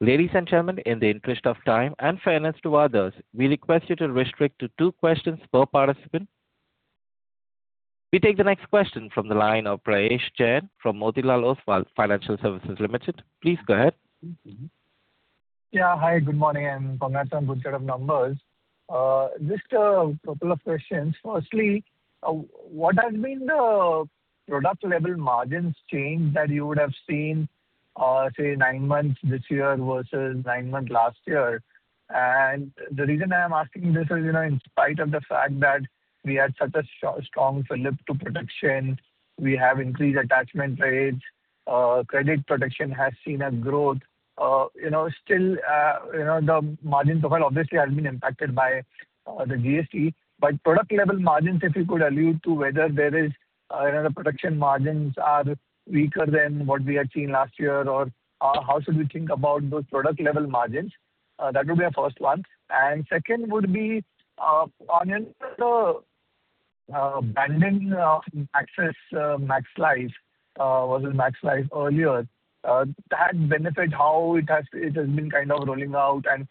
Ladies and gentlemen, in the interest of time and fairness to others, we request you to restrict to two questions per participant. We take the next question from the line of Prayesh Jain from Motilal Oswal Financial Services Limited. Please go ahead. Yeah. Hi, good morning, and congratulations on good set of numbers. Just a couple of questions. Firstly, what has been the product level margins change that you would have seen, say, nine months this year versus nine months last year? And the reason I am asking this is, you know, in spite of the fact that we had such a strong flip to production, we have increased attachment rates, credit production has seen a growth, you know, still, you know, the margins overall obviously have been impacted by the GST. But product level margins, if you could allude to whether there is, you know, the production margins are weaker than what we had seen last year, or, how should we think about those product level margins? That would be our first one, and second would be, on the branding of Axis Max Life versus Max Life earlier, that benefit, how it has been kind of rolling out and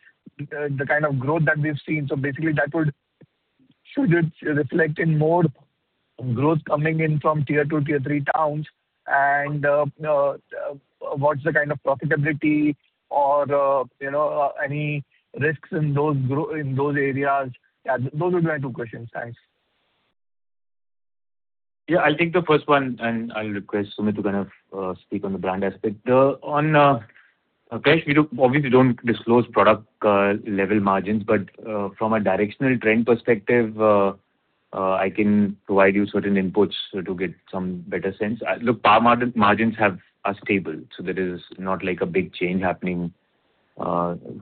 the kind of growth that we've seen. So basically, that would... Should it reflect in more growth coming in from tier two, tier three towns? And, what's the kind of profitability or, you know, any risks in those growth in those areas? Yeah, those would be my two questions. Thanks. ... Yeah, I'll take the first one, and I'll request Sumit to kind of speak on the brand aspect. The one, uh, Prayesh, we do obviously don't disclose product level margins, but from a directional trend perspective, I can provide you certain inputs to get some better sense. Look, par margins have are stable, so there is not like a big change happening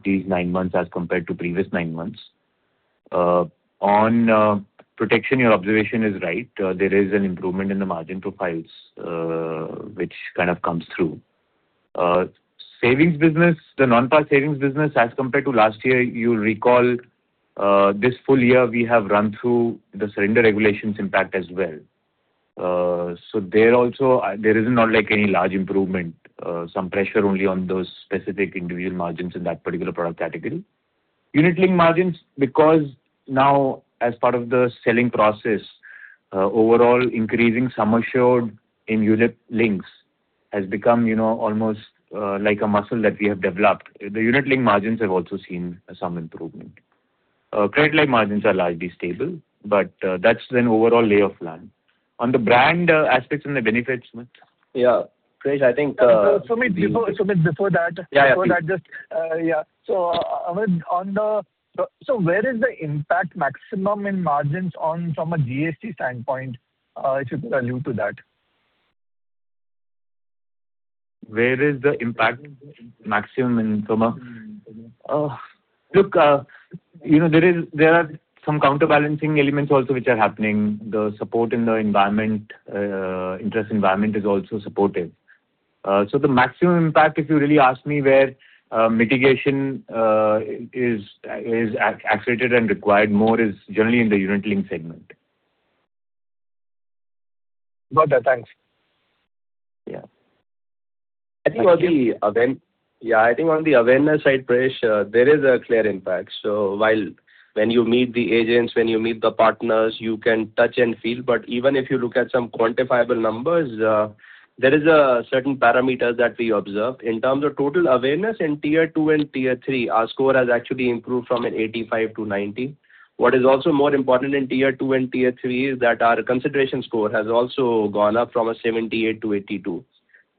these nine months as compared to previous nine months. On protection, your observation is right. There is an improvement in the margin profiles, which kind of comes through. Savings business, the non-par savings business as compared to last year, you'll recall, this full year we have run through the surrender regulations impact as well. So there also, there is not like any large improvement, some pressure only on those specific individual margins in that particular product category. Unit link margins, because now as part of the selling process, overall increasing sum assured in unit links has become, you know, almost, like a muscle that we have developed. The unit link margins have also seen some improvement. Credit life margins are largely stable, but, that's an overall lay of the land. On the bancassurance aspects and the benefits, Sumit? Yeah. Prayesh, I think, Sumit, before that- Yeah. Before that, just, yeah. So, where is the impact maximum in margins on from a GST standpoint? If you could allude to that. Where is the impact maximum, Sumit? Look, you know, there is, there are some counterbalancing elements also which are happening. The support in the environment, interest environment is also supportive. So the maximum impact, if you really ask me, where mitigation is accentuated and required more, is generally in the unit link segment. Got that. Thanks. Yeah. I think on the awareness side, Prayesh, there is a clear impact. So while when you meet the agents, when you meet the partners, you can touch and feel, but even if you look at some quantifiable numbers, there is a certain parameters that we observe. In terms of total awareness in tier two and tier three, our score has actually improved from 85 to 90. What is also more important in tier two and tier three is that our consideration score has also gone up from 78 to 82.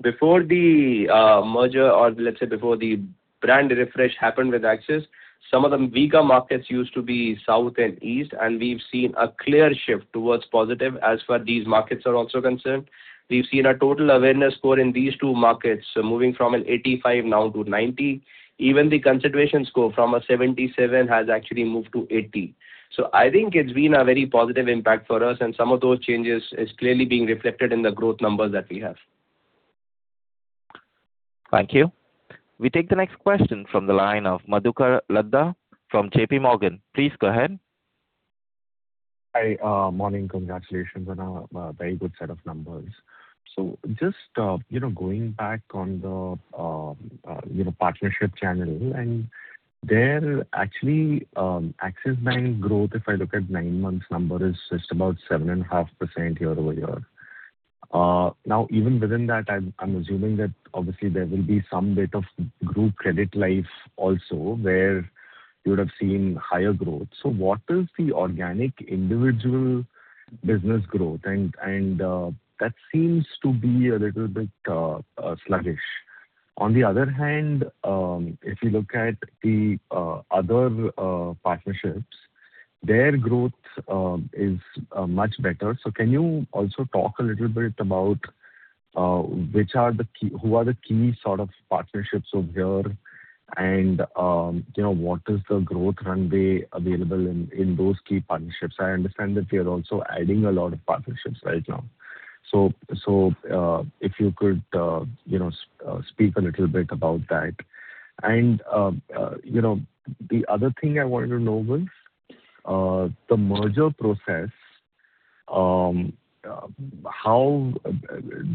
Before the merger, or let's say before the brand refresh happened with Axis, some of the weaker markets used to be south and east, and we've seen a clear shift towards positive as far these markets are also concerned. We've seen a total awareness score in these two markets moving from an 85 now to 90. Even the consideration score from a 77 has actually moved to 80. So I think it's been a very positive impact for us, and some of those changes is clearly being reflected in the growth numbers that we have. Thank you. We take the next question from the line of Madhukar Ladha from JPMorgan. Please go ahead. Hi, morning. Congratulations on a very good set of numbers. So just, you know, going back on the partnership channel, and there actually, Axis Bank growth, if I look at 9 months number, is just about 7.5% year-over-year. Now, even within that, I'm assuming that obviously there will be some bit of group credit life also, where you would have seen higher growth. So what is the organic individual business growth? And that seems to be a little bit sluggish. On the other hand, if you look at the other partnerships, their growth is much better. So can you also talk a little bit about which are the key... Who are the key sort of partnerships over here? You know, what is the growth runway available in those key partnerships? I understand that you're also adding a lot of partnerships right now. If you could, you know, speak a little bit about that. You know, the other thing I wanted to know was the merger process, how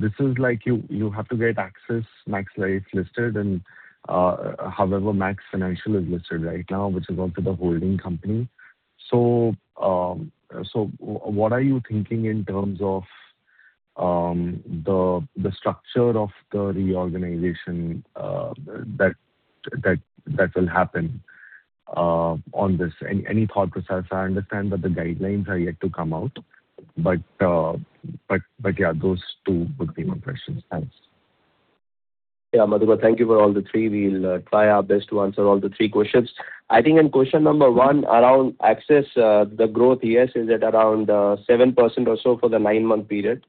this is like you, you have to get Axis Max Life listed and, however, Max Financial is listed right now, which is also the holding company. What are you thinking in terms of the structure of the reorganization that will happen on this? Any thought process? I understand that the guidelines are yet to come out, but yeah, those two would be my questions. Thanks. Yeah, Madhukar, thank you for all the three. We'll try our best to answer all the three questions. I think in question number one, around Axis, the growth year is at around 7% or so for the nine-month period.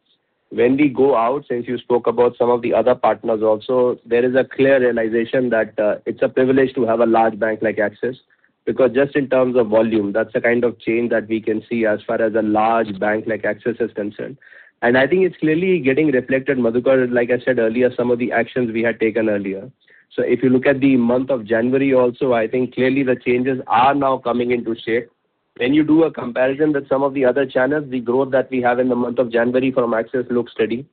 When we go out, since you spoke about some of the other partners also, there is a clear realization that it's a privilege to have a large bank like Axis, because just in terms of volume, that's the kind of change that we can see as far as a large bank like Axis is concerned. And I think it's clearly getting reflected, Madhukar, like I said earlier, some of the actions we had taken earlier. So if you look at the month of January also, I think clearly the changes are now coming into shape. When you do a comparison with some of the other channels, the growth that we have in the month of January from Axis looks steady.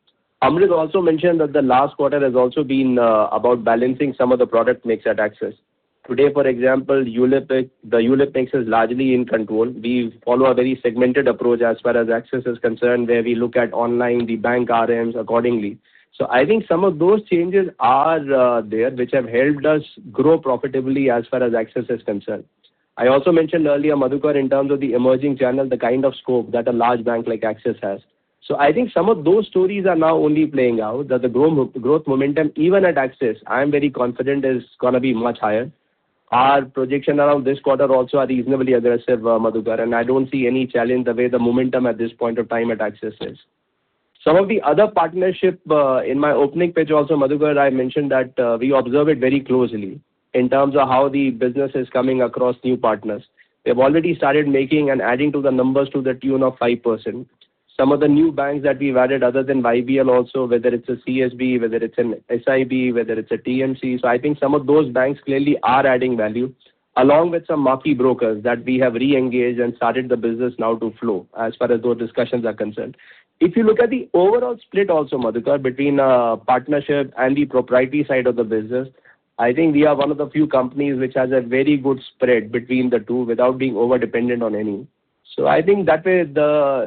Amrit also mentioned that the last quarter has also been about balancing some of the product mix at Axis. Today, for example, ULIP, the ULIP mix is largely in control. We follow a very segmented approach as far as Axis is concerned, where we look at online, the bank RMs accordingly. So I think some of those changes are there, which have helped us grow profitably as far as Axis is concerned. I also mentioned earlier, Madhukar, in terms of the emerging channel, the kind of scope that a large bank like Axis has. So I think some of those stories are now only playing out, that the growth momentum, even at Axis, I'm very confident is gonna be much higher. Our projection around this quarter also are reasonably aggressive, Madhukar, and I don't see any challenge the way the momentum at this point of time at Axis is. Some of the other partnership, in my opening pitch also, Madhukar, I mentioned that, we observe it very closely in terms of how the business is coming across new partners. We have already started making and adding to the numbers to the tune of 5%. Some of the new banks that we've added, other than YBL also, whether it's a CSB, whether it's an SIB, whether it's a TMB. So I think some of those banks clearly are adding value, along with some marquee brokers that we have re-engaged and started the business now to flow, as far as those discussions are concerned. If you look at the overall split also, Madhukar, between partnership and the proprietary side of the business, I think we are one of the few companies which has a very good spread between the two without being over-dependent on any. So I think that way,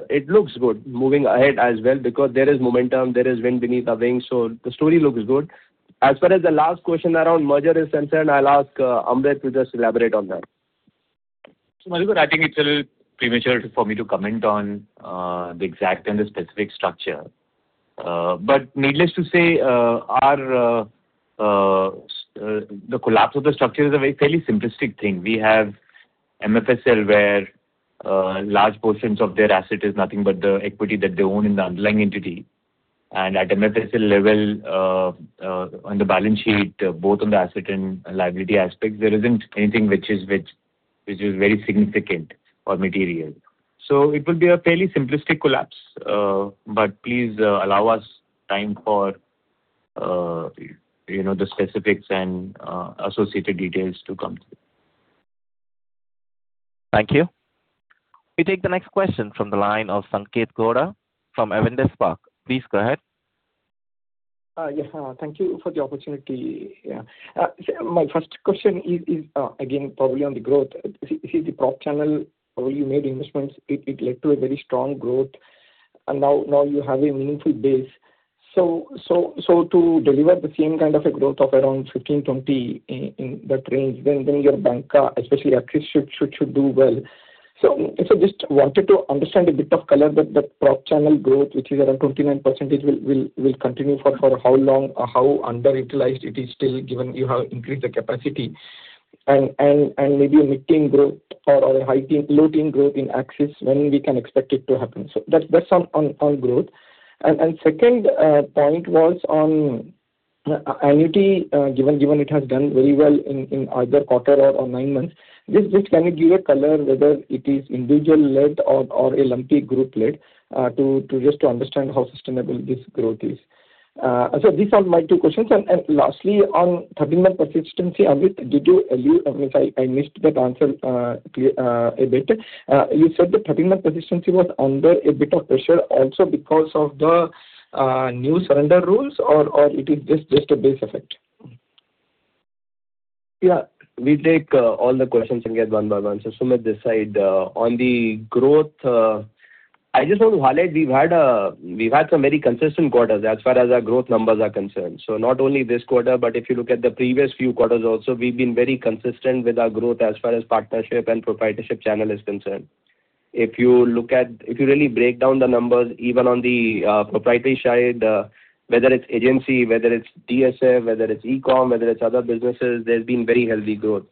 it looks good moving ahead as well, because there is momentum, there is wind beneath our wings, so the story looks good. As far as the last question around merger is concerned, I'll ask Amrit to just elaborate on that. So Madhukar, I think it's a little premature for me to comment on the exact and the specific structure. But needless to say, the collapse of the structure is a very fairly simplistic thing. We have MFSL, where large portions of their asset is nothing but the equity that they own in the underlying entity. And at MFSL level, on the balance sheet, both on the asset and liability aspect, there isn't anything which is very significant or material. So it will be a fairly simplistic collapse, but please allow us time for, you know, the specifics and associated details to come through. Thank you. We take the next question from the line of Sanketh Godha from Avendus Spark. Please go ahead. Yeah. Thank you for the opportunity. Yeah. So my first question is again probably on the growth. Is it the prop channel where you made investments, it led to a very strong growth, and now you have a meaningful base. So to deliver the same kind of a growth of around 15-20 in that range, then your banca, especially Axis, should do well. So just wanted to understand a bit of color that the prop channel growth, which is around 29%, will continue for how long or how underutilized it is still, given you have increased the capacity? And maybe meeting growth or hiking loading growth in Axis, when we can expect it to happen. So that's on growth. And second point was on annuity, given it has done very well in either quarter or nine months. This, can you give a color whether it is individual-led or a lumpy group-led, to just understand how sustainable this growth is. So these are my two questions. And lastly, on 13-month persistency, Amrit, did you allude, I mean, if I missed that answer, clear a bit. You said the 13-month persistency was under a bit of pressure also because of the new surrender rules or it is just a base effect? Yeah. We take all the questions and get one by one. So Sumit, this side, on the growth, I just want to highlight, we've had some very consistent quarters as far as our growth numbers are concerned. So not only this quarter, but if you look at the previous few quarters also, we've been very consistent with our growth as far as partnership and proprietary channel is concerned. If you look at, if you really break down the numbers, even on the proprietary side, whether it's agency, whether it's DSF, whether it's e-com, whether it's other businesses, there's been very healthy growth.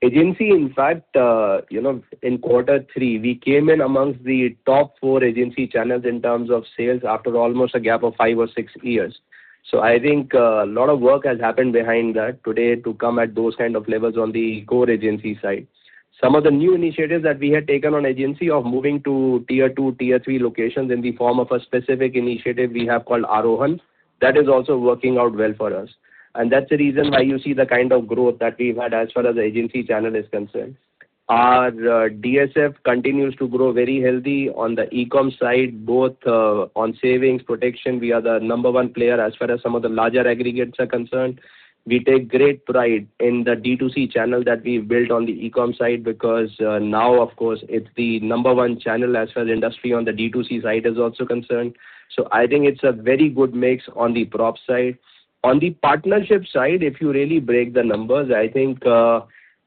Agency, in fact, you know, in quarter three, we came in amongst the top four agency channels in terms of sales after almost a gap of five or six years. So I think, a lot of work has happened behind that today to come at those kind of levels on the core agency side. Some of the new initiatives that we had taken on agency of moving to tier two, tier three locations in the form of a specific initiative we have called Arohan, that is also working out well for us. And that's the reason why you see the kind of growth that we've had as far as the agency channel is concerned. Our DSF continues to grow very healthy on the e-com side, both, on savings protection. We are the number one player as far as some of the larger aggregators are concerned. We take great pride in the D2C channel that we've built on the e-com side, because, now, of course, it's the number one channel as far as industry on the D2C side is also concerned. So I think it's a very good mix on the prop side. On the partnership side, if you really break the numbers, I think,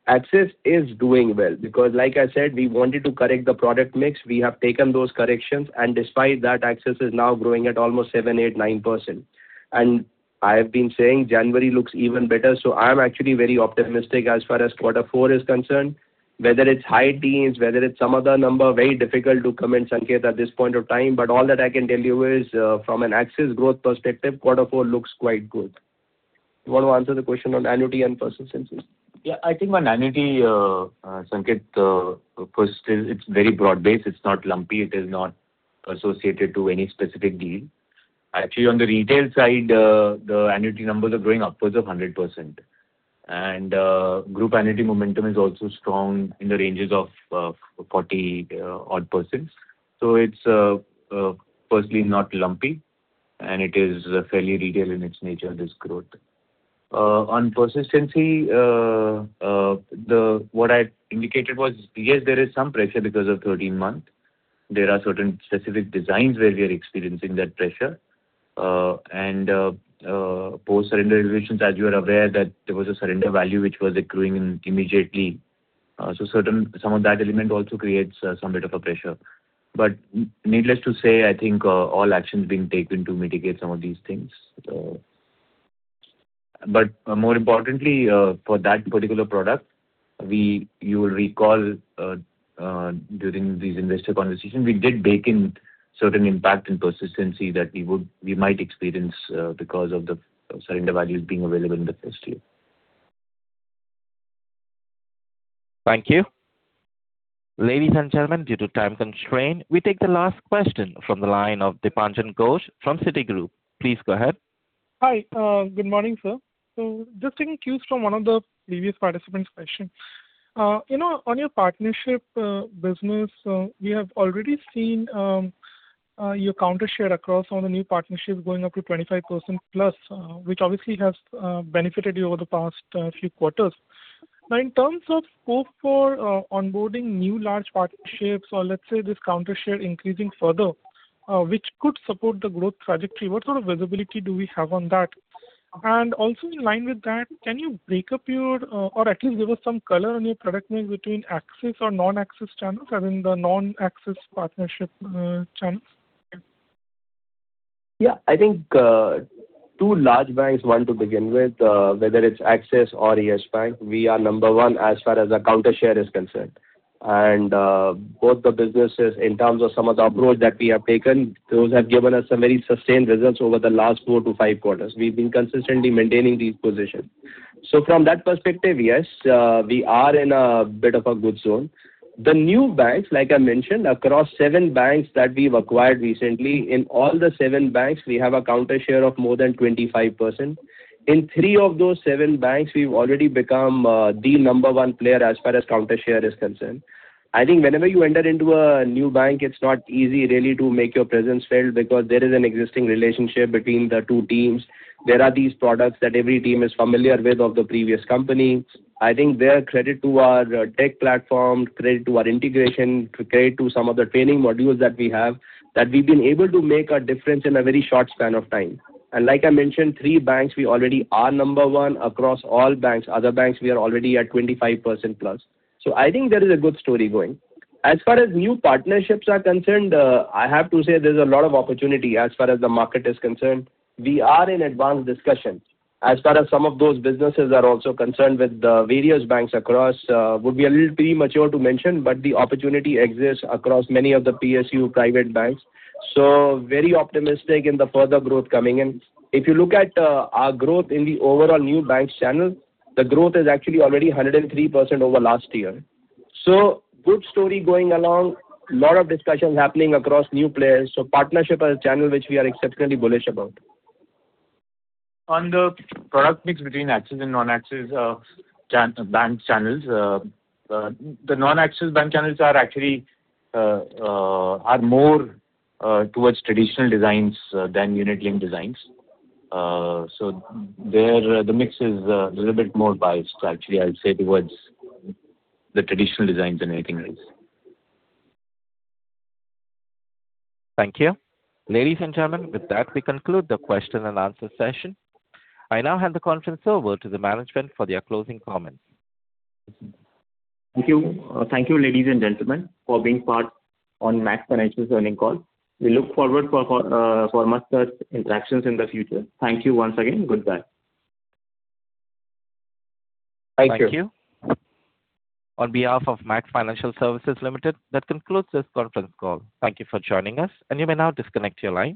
Axis is doing well, because like I said, we wanted to correct the product mix. We have taken those corrections, and despite that, Axis is now growing at almost 7%, 8%, 9%. And I have been saying January looks even better, so I'm actually very optimistic as far as quarter four is concerned. Whether it's high teens, whether it's some other number, very difficult to comment, Sanketh, at this point of time. All that I can tell you is, from an Axis growth perspective, quarter four looks quite good. You want to answer the question on annuity and persistency? Yeah. I think on annuity, Sanketh, first, it's very broad-based. It's not lumpy. It is not associated to any specific deal. Actually, on the retail side, the annuity numbers are growing upwards of 100%. And, group annuity momentum is also strong in the ranges of 40-odd%. So it's, firstly, not lumpy, and it is fairly retail in its nature, this growth. On persistency, what I indicated was, yes, there is some pressure because of 13-month.... There are certain specific designs where we are experiencing that pressure, and, post surrender revisions, as you are aware, that there was a surrender value which was accruing in immediately. So some of that element also creates, some bit of a pressure. But needless to say, I think, all action is being taken to mitigate some of these things. But more importantly, for that particular product, you will recall, during these investor conversations, we did bake in certain impact and persistency that we might experience, because of the surrender values being available in the first year. Thank you. Ladies and gentlemen, due to time constraint, we take the last question from the line of Dipanjan Ghosh from Citigroup. Please go ahead. Hi. Good morning, sir. So just taking cues from one of the previous participant's question. You know, on your partnership business, we have already seen your counter share across on the new partnerships going up to 25% plus, which obviously has benefited you over the past few quarters. Now, in terms of scope for onboarding new large partnerships or let's say, this counter share increasing further, which could support the growth trajectory, what sort of visibility do we have on that? And also in line with that, can you break up your or at least give us some color on your product mix between Axis or non-Axis channels, I mean, the non-Axis partnership channels? Yeah. I think, two large banks, one to begin with, whether it's Axis or Yes Bank, we are number one as far as the counter share is concerned. And, both the businesses, in terms of some of the approach that we have taken, those have given us some very sustained results over the last four to five quarters. We've been consistently maintaining these positions. So from that perspective, yes, we are in a bit of a good zone. The new banks, like I mentioned, across 7 banks that we've acquired recently, in all the 7 banks, we have a counter share of more than 25%. In 3 of those 7 banks, we've already become, the number one player as far as counter share is concerned. I think whenever you enter into a new bank, it's not easy really to make your presence felt because there is an existing relationship between the two teams. There are these products that every team is familiar with of the previous company. I think there, credit to our tech platform, credit to our integration, credit to some of the training modules that we have, that we've been able to make a difference in a very short span of time. And like I mentioned, three banks, we already are number one across all banks. Other banks, we are already at 25%+. So I think there is a good story going. As far as new partnerships are concerned, I have to say there's a lot of opportunity as far as the market is concerned. We are in advanced discussions. As far as some of those businesses are also concerned with the various banks across, would be a little premature to mention, but the opportunity exists across many of the PSU private banks. So very optimistic in the further growth coming in. If you look at, our growth in the overall new banks channel, the growth is actually already 103% over last year. So good story going along. A lot of discussions happening across new players. So partnership as a channel, which we are exceptionally bullish about. On the product mix between Axis and non-Axis bank channels, the non-Axis bank channels are actually more towards traditional designs than unit-linked designs. So there, the mix is a little bit more biased, actually, I would say, towards the traditional designs than anything else. Thank you. Ladies and gentlemen, with that, we conclude the question-and-answer session. I now hand the conference over to the management for their closing comments. Thank you. Thank you, ladies and gentlemen, for being part on Max Financial's earnings call. We look forward for, for much such interactions in the future. Thank you once again. Goodbye. Thank you. On behalf of Max Financial Services Limited, that concludes this conference call. Thank you for joining us, and you may now disconnect your lines.